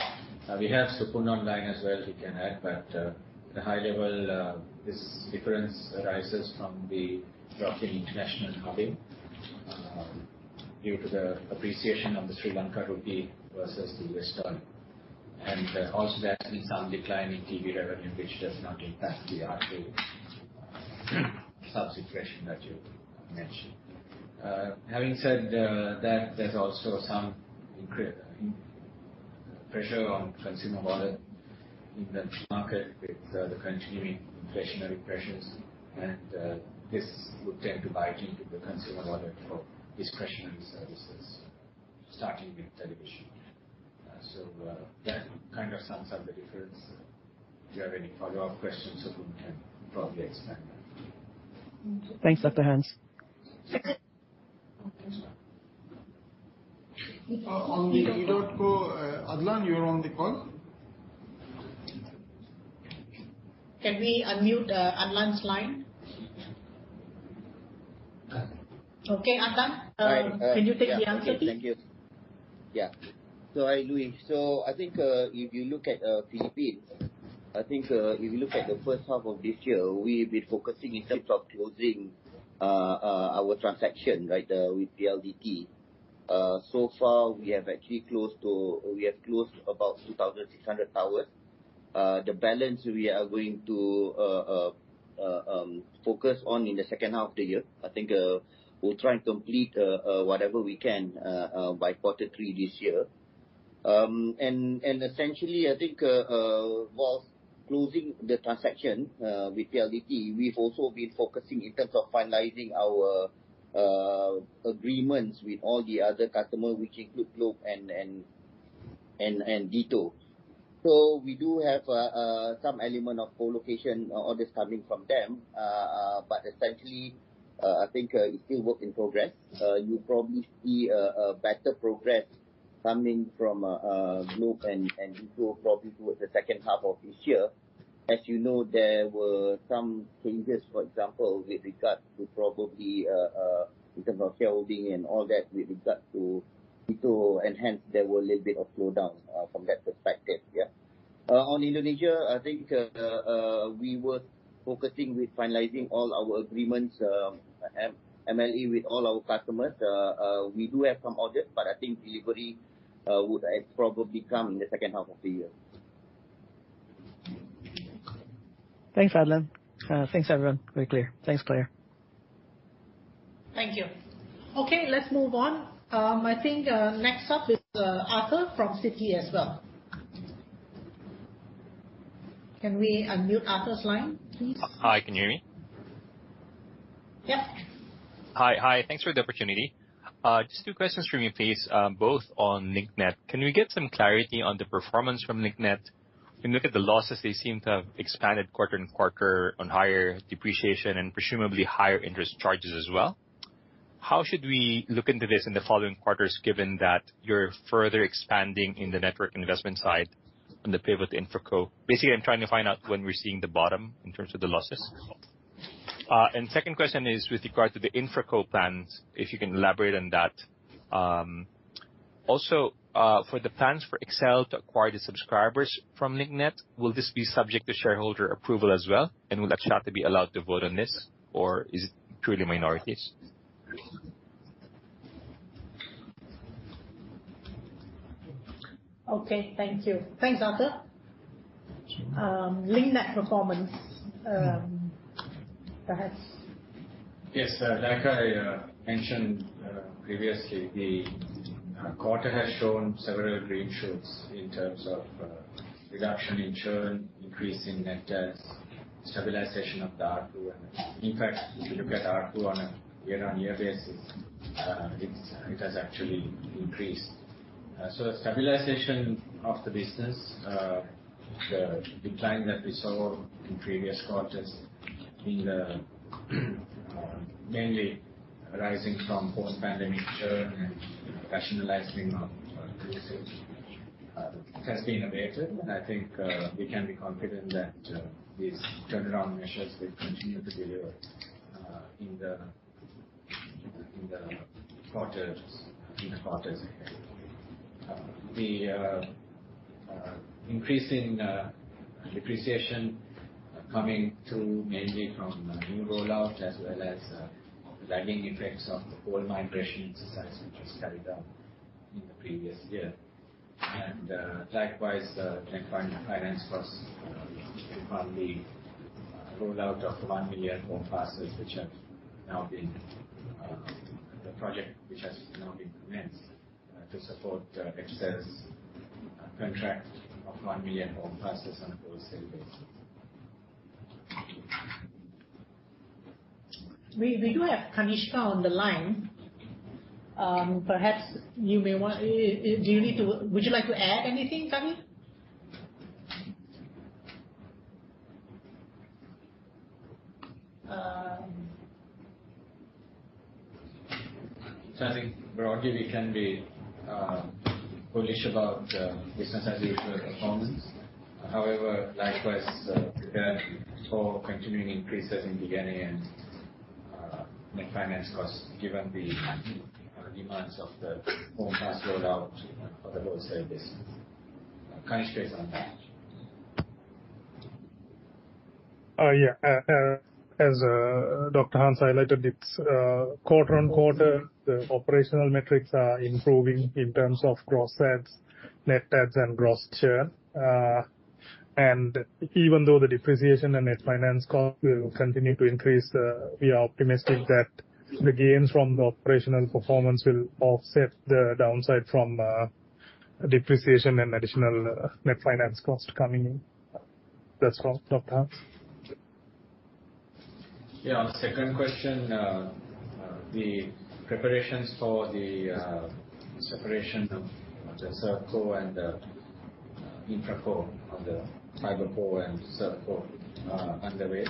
We have Supun online as well, he can add, but the high level, this difference arises from the drop in international roaming due to the appreciation of the Sri Lankan rupee versus the U.S. dollar. And also, there's been some decline in TV revenue, which does not impact the ARPU substitution that you mentioned. Having said that, there's also some increasing pressure on consumer wallet in the market with the continuing inflationary pressures, and this would tend to bite into the consumer wallet for discretionary services, starting with television. So that kind of sums up the difference. If you have any follow-up questions, Supun can probably expand that. Thanks, Dr. Hans. On the edotco, Adlan, you're on the call? Can we unmute Adlan's line? Okay, Adlan, can you take the answer, please? Thank you. Yeah. So hi, Luis. So I think, if you look at, Philippines, I think, if you look at the first half of this year, we've been focusing in terms of closing, our transaction, right, with PLDT. So far, we have actually closed about 2,600 towers. The balance we are going to, focus on in the second half of the year. I think, we'll try and complete, whatever we can, by quarter three this year. And, essentially, I think, whilst closing the transaction, with PLDT, we've also been focusing in terms of finalizing our, agreements with all the other customers, which include Globe and DITO. So we do have some element of co-location orders coming from them. But essentially, I think it's still work in progress. You'll probably see a better progress coming from Globe and DITO probably towards the second half of this year. As you know, there were some changes, for example, with regard to probably in terms of holding and all that, with regard to DITO, and hence there were a little bit of slowdown from that perspective. Yeah. On Indonesia, I think we were focusing with finalizing all our agreements, MLA with all our customers. We do have some orders, but I think delivery would probably come in the second half of the year. Thanks, Adlan. Thanks, everyone. Very clear. Thanks, Clare. Thank you. Okay, let's move on. I think, next up is, Arthur from Citi as well. Can we unmute Arthur's line, please? Hi, can you hear me? Yep. Hi. Hi, thanks for the opportunity. Just two questions for me, please, both on Link Net. Can we get some clarity on the performance from Link Net? You look at the losses, they seem to have expanded quarter and quarter on higher depreciation and presumably higher interest charges as well. How should we look into this in the following quarters, given that you're further expanding in the network investment side on the pivot to InfraCo? Basically, I'm trying to find out when we're seeing the bottom in terms of the losses. And second question is with regard to the InfraCo plans, if you can elaborate on that. Also, for the plans for XL to acquire the subscribers from Link Net, will this be subject to shareholder approval as well, and will Axiata be allowed to vote on this, or is it purely minorities? Okay, thank you. Thanks, Arthur. Link Net performance, perhaps. Yes, like I mentioned previously, the quarter has shown several green shoots in terms of reduction in churn, increase in net adds, stabilization of the ARPU, and in fact, if you look at ARPU on a year-on-year basis, it has actually increased. So the stabilization of the business, the decline that we saw in previous quarters mainly arising from post-pandemic churn and rationalizing of... has been abated, and I think we can be confident that these turnaround measures will continue to deliver in the quarters ahead. The increase in depreciation coming through mainly from new rollout as well as the lagging effects of the old migration exercise, which was carried out in the previous year. Likewise, the net finance cost on the rollout of 1 million home passes, the project, which has now been commenced to support XL's contract of 1 million home passes on a wholesale basis. We do have Kanishka on the line. Perhaps you may want... Would you like to add anything, Kani? I think broadly, we can be bullish about business as usual performance. However, likewise, prepared for continuing increases in borrowing and net finance costs, given the demands of the home pass rollout for the whole service. Kanishka is on that. Yeah. As Dr. Hans highlighted, it's quarter-on-quarter, the operational metrics are improving in terms of gross adds, net adds, and gross churn. And even though the depreciation and net finance cost will continue to increase, we are optimistic that the gains from the operational performance will offset the downside from depreciation and additional net finance cost coming in. That's all, Dr. Hans. Yeah. Second question, the preparations for the separation of the CellCo and the InfraCo on the FiberCo and CellCo underway.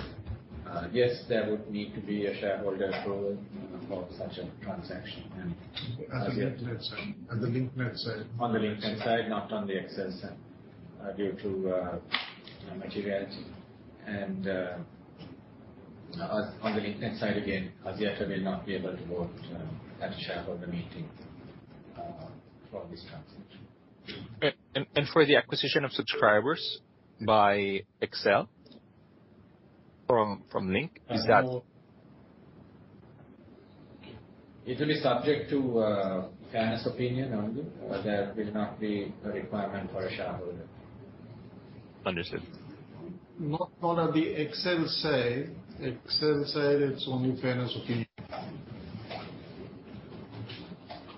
Yes, there would need to be a shareholder approval for such a transaction, and- At the Link Net side. At the Link Net side. On the Link Net side, not on the XL side, due to materiality. On the Link Net side, again, Axiata will not be able to vote at the shareholder meeting for this transaction. For the acquisition of subscribers by XL from Link, is that- It will be subject to a fairness opinion only, but there will not be a requirement for a shareholder. Understood. Not, not on the XL side. XL side, it's only fairness opinion.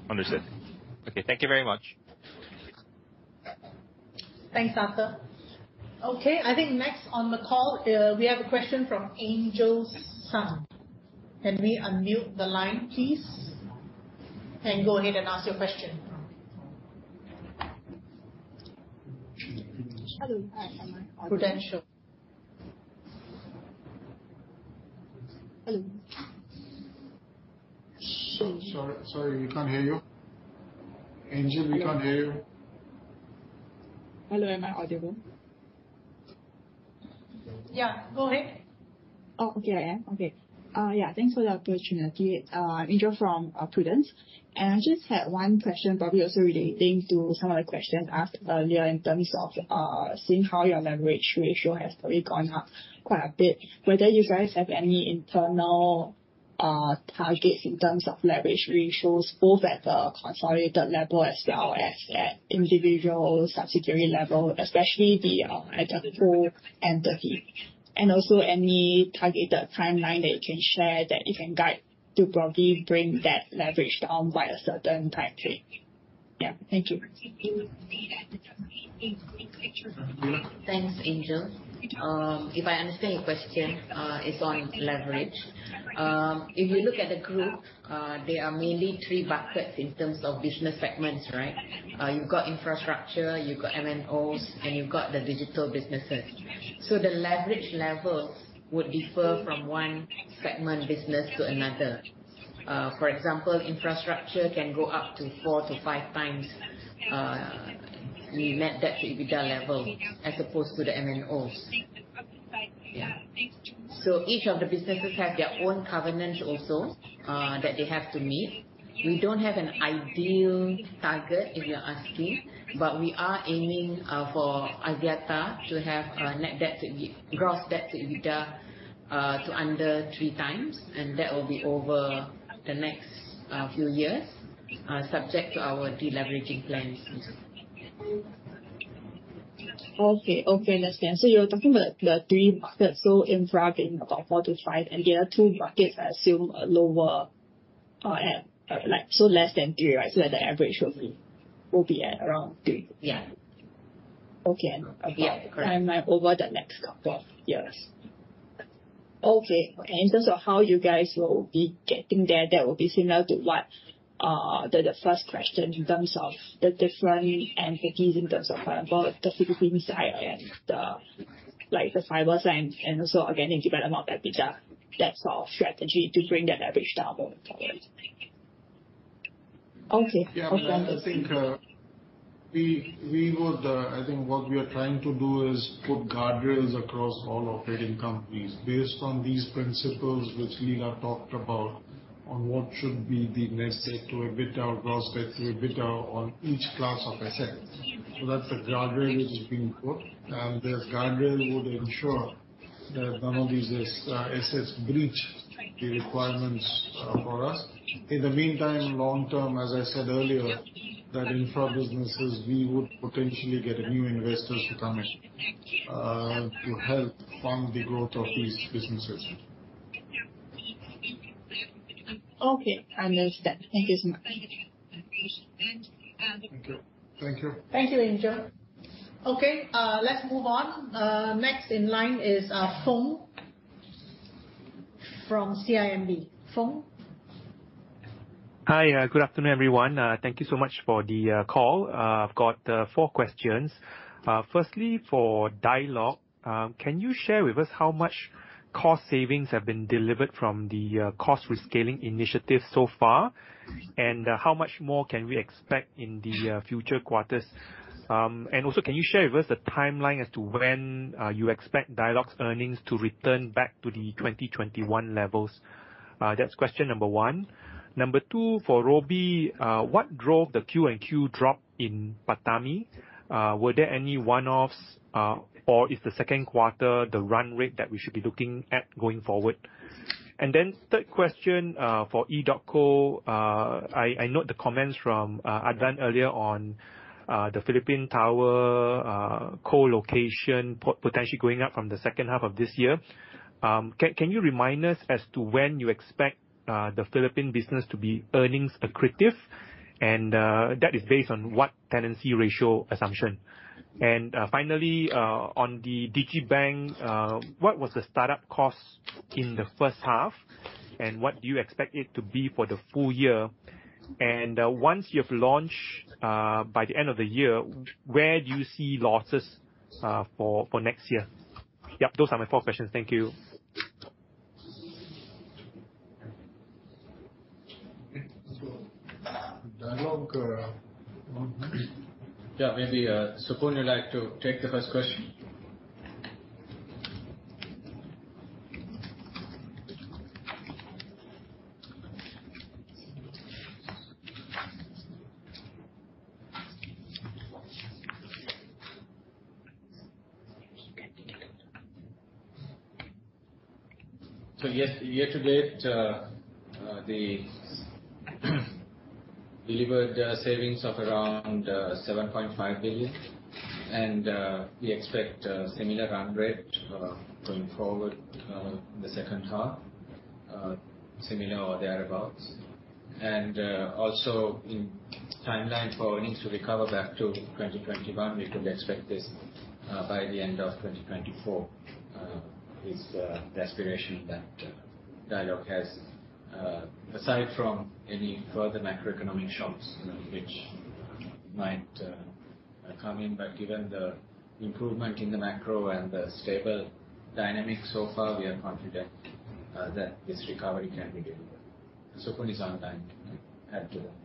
Understood. Okay, thank you very much. Thanks, Arthur. Okay, I think next on the call, we have a question from Angel Sun. Can we unmute the line, please, and go ahead and ask your question? Hello, hi. Am I audible? Prudential. Hello. So sorry, we can't hear you. Angel, we can't hear you. Hello, am I audible? Yeah, go ahead. Oh, okay, I am? Okay. Yeah, thanks for the opportunity. I'm Angel from Prudential, and I just had one question, probably also relating to some of the questions asked earlier in terms of seeing how your leverage ratio has probably gone up quite a bit. Whether you guys have any internal targets in terms of leverage ratios, both at the consolidated level as well as at individual subsidiary level, especially the item two and three. And also any targeted timeline that you can share, that you can guide to probably bring that leverage down by a certain time frame? Yeah. Thank you. Thanks, Angel. If I understand your question, it's on leverage. If you look at the group, there are mainly three buckets in terms of business segments, right? You've got infrastructure, you've got MNOs, and you've got the digital businesses. So the leverage levels would differ from one segment business to another. For example, infrastructure can go up to 4x-5x, the net debt to EBITDA level as opposed to the MNOs. Yeah. So each of the businesses have their own covenants also, that they have to meet. We don't have an ideal target, if you're asking, but we are aiming for Axiata to have a net debt to-- gross debt to EBITDA, to under 3x, and that will be over the next few years, subject to our deleveraging plans. Okay. Okay, that's clear. So you're talking about the three markets. So Infra being about 4x-5x, and the other two markets assume a lower, like, so less than 3x, right? So that the average will be, will be at around 3x. Yeah. Okay. Yeah, correct. Timeline over the next couple of years. Okay, and in terms of how you guys will be getting there, that will be similar to what, the first question in terms of the different strategies in terms of, both the Philippine side and the, like, the fibers and, and also, again, in debt, about that bigger, that sort of strategy to bring that average down over the years? Thank you.... Okay. Yeah, I think, we, we would, I think what we are trying to do is put guardrails across all operating companies based on these principles, which Lila talked about, on what should be the net debt to EBITDA or gross debt to EBITDA on each class of assets. So that's a guardrail which is being put, and this guardrail would ensure that none of these assets breach the requirements, for us. In the meantime, long term, as I said earlier, that infra businesses, we would potentially get new investors to come in, to help fund the growth of these businesses. Okay, I understand. Thank you so much. Thank you. Thank you. Thank you, Angel. Okay, let's move on. Next in line is, Foong from CIMB. Foong? Hi, good afternoon, everyone. Thank you so much for the call. I've got four questions. Firstly, for Dialog, can you share with us how much cost savings have been delivered from the cost rescaling initiative so far? And how much more can we expect in the future quarters? And also, can you share with us the timeline as to when you expect Dialog's earnings to return back to the 2021 levels? That's question number one. Number two, for Robi, what drove the QoQ drop in PATAMI? Were there any one-offs, or is the second quarter the run rate that we should be looking at going forward? And then third question, for edotco, I note the comments from Adlan earlier on, the Philippine tower, co-location potentially going up from the second half of this year. Can you remind us as to when you expect the Philippine business to be earnings accretive? And that is based on what tenancy ratio assumption? And finally, on the digital bank, what was the startup cost in the first half, and what do you expect it to be for the full year? And once you've launched by the end of the year, where do you see losses for next year? Yep, those are my four questions. Thank you. Okay. Dialog, Yeah, maybe, Supun, you'd like to take the first question? So year to date, the delivered savings of around LKR 7.5 billion. And we expect a similar run rate going forward in the second half, similar or thereabouts. And also in timeline for earnings to recover back to 2021, we could expect this by the end of 2024 is the aspiration that Dialog has aside from any further macroeconomic shocks, which might come in. But given the improvement in the macro and the stable dynamic so far, we are confident that this recovery can be delivered. Supun is on line, add to that.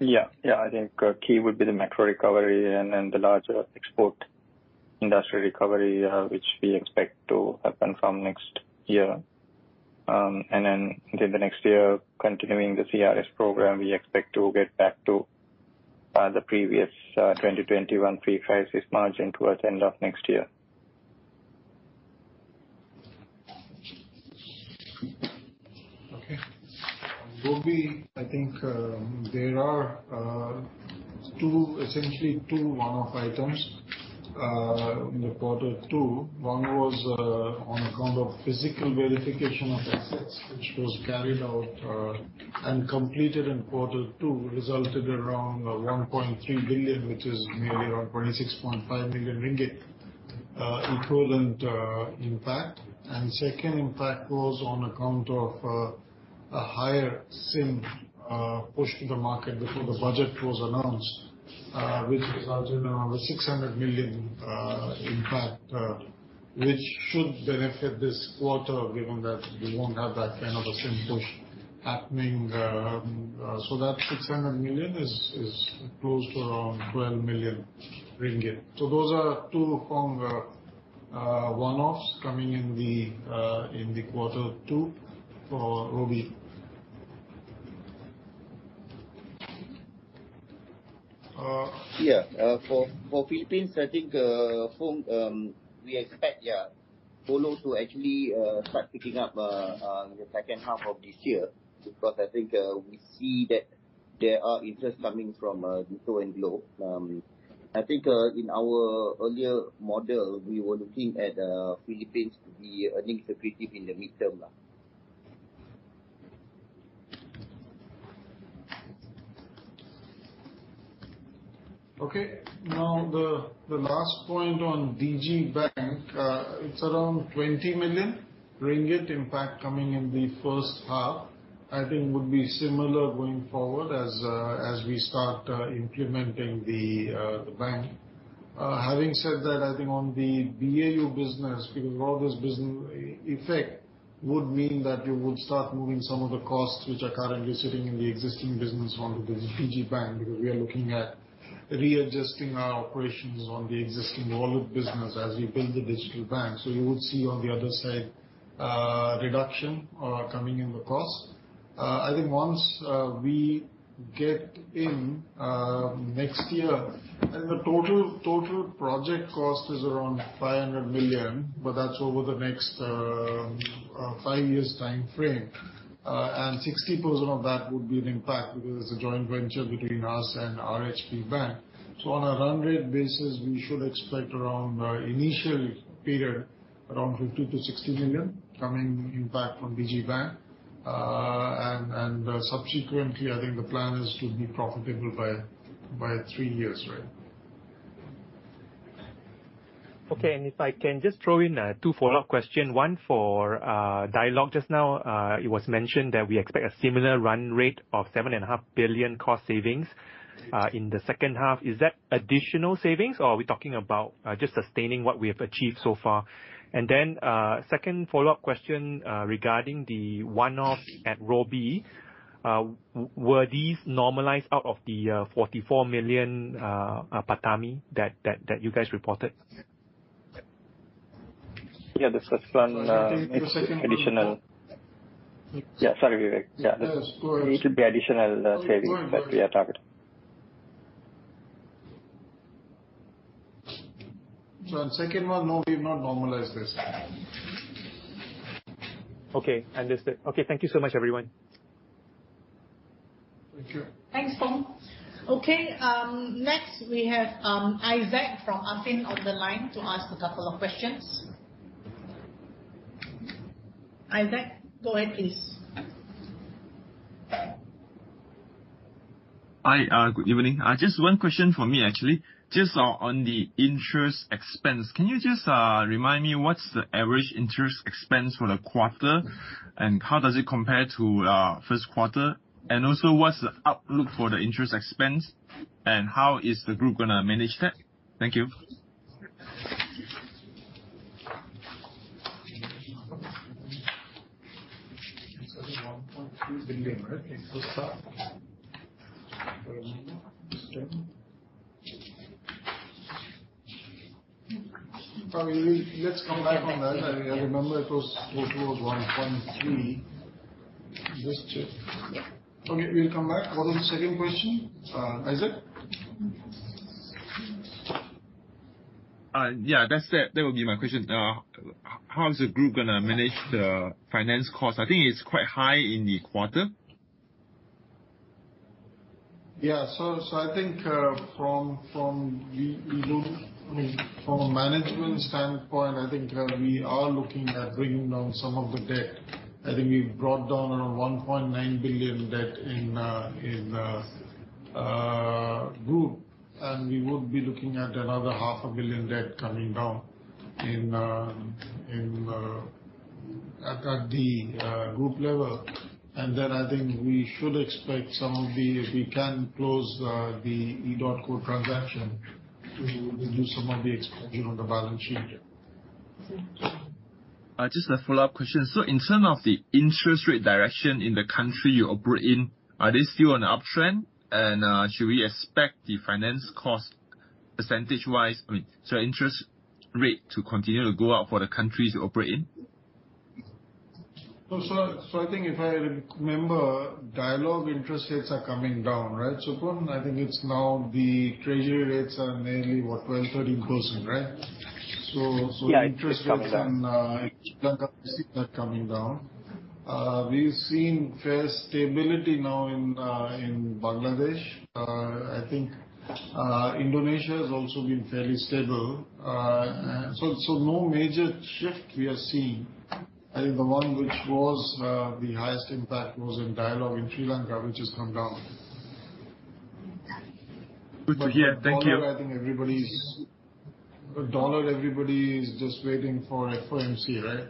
Yeah. Yeah, I think, key would be the macro recovery and then the larger export industry recovery, which we expect to happen from next year. And then in the next year, continuing the CRS program, we expect to get back to, the previous, 2021 pre-crisis margin towards end of next year. Okay. Robi, I think, there are, essentially two one-off items, in the quarter two. One was, on account of physical verification of assets, which was carried out, and completed in quarter two, resulted around, BDT 1.3 billion, which is nearly around 26.5 million ringgit, equivalent, impact. And second impact was on account of, a higher SIM, push to the market before the budget was announced, which resulted in around BDT 600 million, impact, which should benefit this quarter, given that we won't have that kind of a SIM push happening. So that BDT 600 million is, close to around 12 million ringgit. So those are two strong, one-offs coming in the, in the quarter two for Robi. Yeah, for Philippines, I think, Foong, we expect, yeah, co-lo to actually start picking up in the second half of this year. Because I think, we see that there are interest coming from DITO and Globe. I think, in our earlier model, we were looking at Philippines to be earnings accretive in the midterm now. Okay. Now, the last point on digital bank, it's around 20 million ringgit impact coming in the first half. I think would be similar going forward as we start implementing the bank. Having said that, I think on the BAU business, because all this business effect would mean that you would start moving some of the costs which are currently sitting in the existing business onto the digital bank, because we are looking at readjusting our operations on the existing wallet business as we build the digital bank. So you would see on the other side, reduction coming in the cost. I think once we get in next year, and the total project cost is around 500 million, but that's over the next five years time frame. And 60% of that would be an impact, because it's a joint venture between us and RHB Bank. So on a run rate basis, we should expect around initial period, around 50 million-60 million coming impact from digital bank. And subsequently, I think the plan is to be profitable by three years, right? Okay. If I can just throw in two follow-up questions, one for Dialog. Just now, it was mentioned that we expect a similar run rate of 7.5 billion cost savings in the second half. Is that additional savings, or are we talking about just sustaining what we have achieved so far? And then, second follow-up question regarding the one-off at Robi. Were these normalized out of the 44 million PATAMI that you guys reported? Yeah, the first one, additional- The second one. Yeah, sorry, Vivek. Yeah. Yes, go ahead. It should be additional, savings- Go ahead, go ahead. That we are targeting. So on second one, no, we've not normalized this. Okay, understood. Okay, thank you so much, everyone. Thank you. Thanks, Foong. Okay, next we have Isaac from Affin on the line to ask a couple of questions. Isaac, go ahead, please. Hi, good evening. Just one question for me, actually. Just, on the interest expense, can you just, remind me what's the average interest expense for the quarter, and how does it compare to, first quarter? And also, what's the outlook for the interest expense, and how is the group gonna manage that? Thank you. MYR 1.2 billion, right? It's a start. Okay. Let's come back on that. I remember it was 1.3 billion. Just check. Okay, we'll come back. What was the second question, Isaac? Yeah, that's it. That would be my question. How is the group gonna manage the finance cost? I think it's quite high in the quarter. Yeah. So I think, from a management standpoint, I think we are looking at bringing down some of the debt. I think we've brought down around 1.9 billion debt in group, and we would be looking at another 0.5 billion debt coming down in at the group level. And then I think we should expect some of the, if we can close the edotco transaction to reduce some of the exposure on the balance sheet. Just a follow-up question. So in terms of the interest rate direction in the country you operate in, are they still on an uptrend? And, should we expect the finance cost, percentage-wise, I mean, so interest rate to continue to go up for the countries you operate in? So, I think if I remember, Dialog interest rates are coming down, right? So currently, I think it's now the treasury rates are nearly, what? 12%-13%, right? So, Yeah, it's coming down. Interest rates in Sri Lanka, we see that coming down. We've seen fair stability now in, in Bangladesh. I think, Indonesia has also been fairly stable. So, so no major shift we are seeing. I think the one which was, the highest impact was in Dialog in Sri Lanka, which has come down. Good to hear. Thank you. I think everybody's... everybody is just waiting for FOMC, right?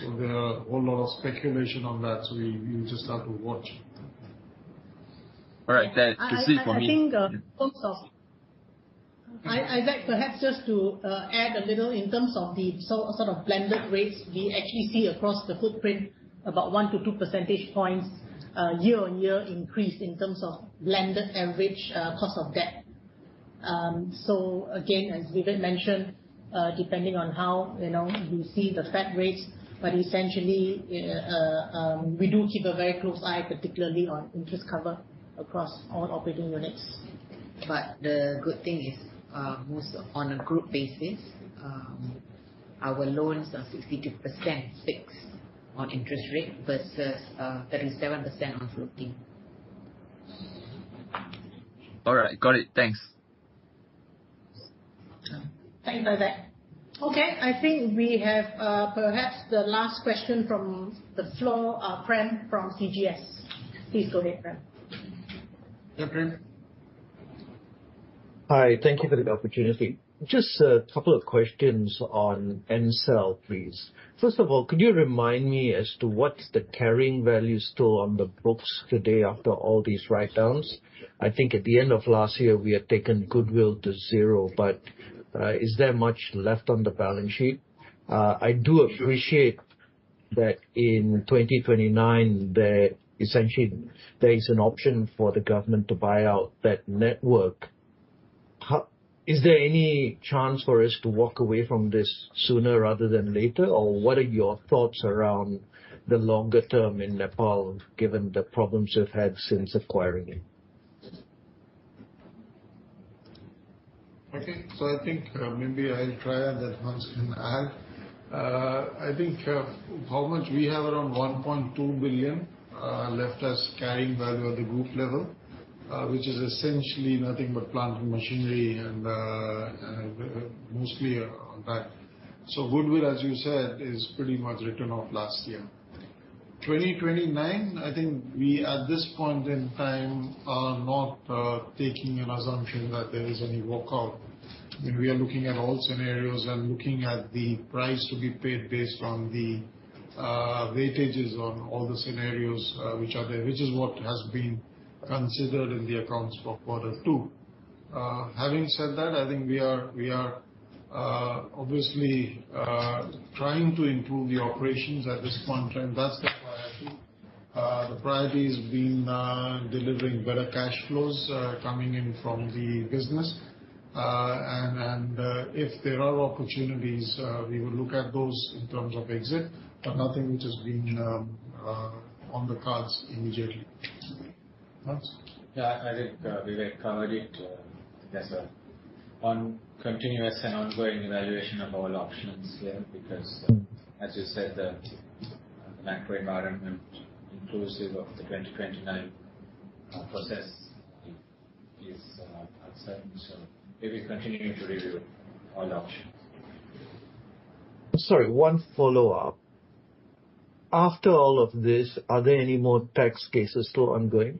So there are a whole lot of speculation on that, so we, we just have to watch. All right, that's precise for me. I think also Isaac, perhaps just to add a little in terms of the sort of blended rates, we actually see across the footprint about 1-2 percentage points year-on-year increase in terms of blended average cost of debt. So again, as Vivek mentioned, depending on how, you know, we see the Fed rates, but essentially, we do keep a very close eye, particularly on interest cover across all operating units. The good thing is, most of, on a group basis, our loans are 62% fixed on interest rate versus 37% on floating. All right. Got it. Thanks. Thank you, Isaac. Okay, I think we have, perhaps the last question from the floor, Prem from CGS. Please go ahead, Prem. Yeah, Prem. Hi, thank you for the opportunity. Just a couple of questions on Ncell, please. First of all, could you remind me as to what's the carrying value still on the books today after all these writedowns? I think at the end of last year, we had taken goodwill to zero, but, is there much left on the balance sheet? I do appreciate-... that in 2029, there essentially, there is an option for the government to buy out that network. How is there any chance for us to walk away from this sooner rather than later? Or what are your thoughts around the longer term in Nepal, given the problems you've had since acquiring it? Okay. So I think, maybe I'll try, and then Hans can add. I think, how much we have around 1.2 billion left as carrying value at the group level, which is essentially nothing but plant and machinery and, mostly on that. So goodwill, as you said, is pretty much written off last year. 2029, I think we, at this point in time, are not taking an assumption that there is any walkout. I mean, we are looking at all scenarios and looking at the price to be paid based on the weightages on all the scenarios, which are there, which is what has been considered in the accounts for quarter two. Having said that, I think we are, we are obviously trying to improve the operations at this point in time. That's the priority. The priority has been delivering better cash flows coming in from the business. If there are opportunities, we will look at those in terms of exit, but nothing which has been on the cards immediately. Hans? Yeah, I think, Vivek covered it. There's continuous and ongoing evaluation of all options here, because, as you said, the macro environment, inclusive of the 2029 process is uncertain. So we will continue to review all options. Sorry, one follow-up. After all of this, are there any more tax cases still ongoing?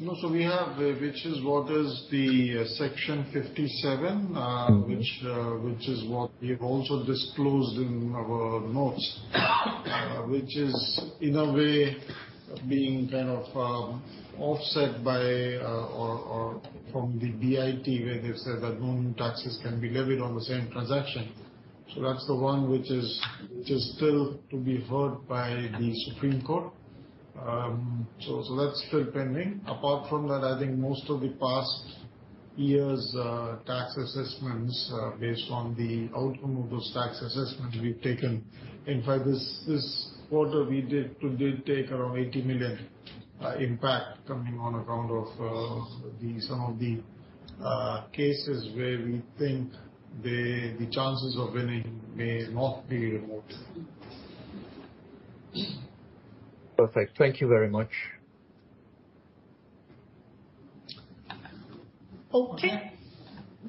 No. So we have, which is what is the Section 57. Mm-hmm. which is what we've also disclosed in our notes. Which is, in a way, being kind of offset by or from the BIT, where they've said that no taxes can be levied on the same transaction. So that's the one which is still to be heard by the Supreme Court. So that's still pending. Apart from that, I think most of the past years' tax assessments, based on the outcome of those tax assessments, we've taken. In fact, this quarter, we did take around 80 million impact coming on account of some of the cases where we think the chances of winning may not be remote. Perfect. Thank you very much. Okay.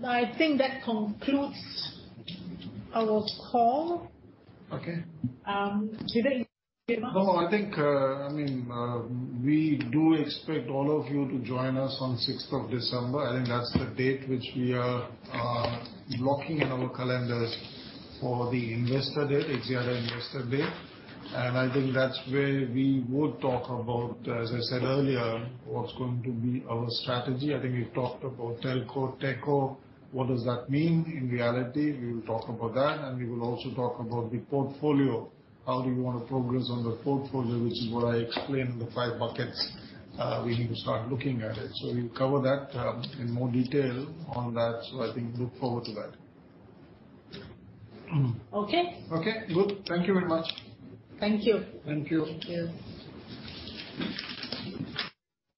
I think that concludes our call. Okay. Today, Vivek? No, I think, I mean, we do expect all of you to join us on sixth of December. I think that's the date which we are blocking in our calendars for the Investor Day, Axiata Investor Day. And I think that's where we would talk about, as I said earlier, what's going to be our strategy. I think we've talked about Telco-TechCo. What does that mean in reality? We will talk about that, and we will also talk about the portfolio. How do we want to progress on the portfolio? Which is what I explained, the five buckets, we need to start looking at it. So we'll cover that, in more detail on that. So I think look forward to that. Okay. Okay, good. Thank you very much. Thank you. Thank you. Thank you.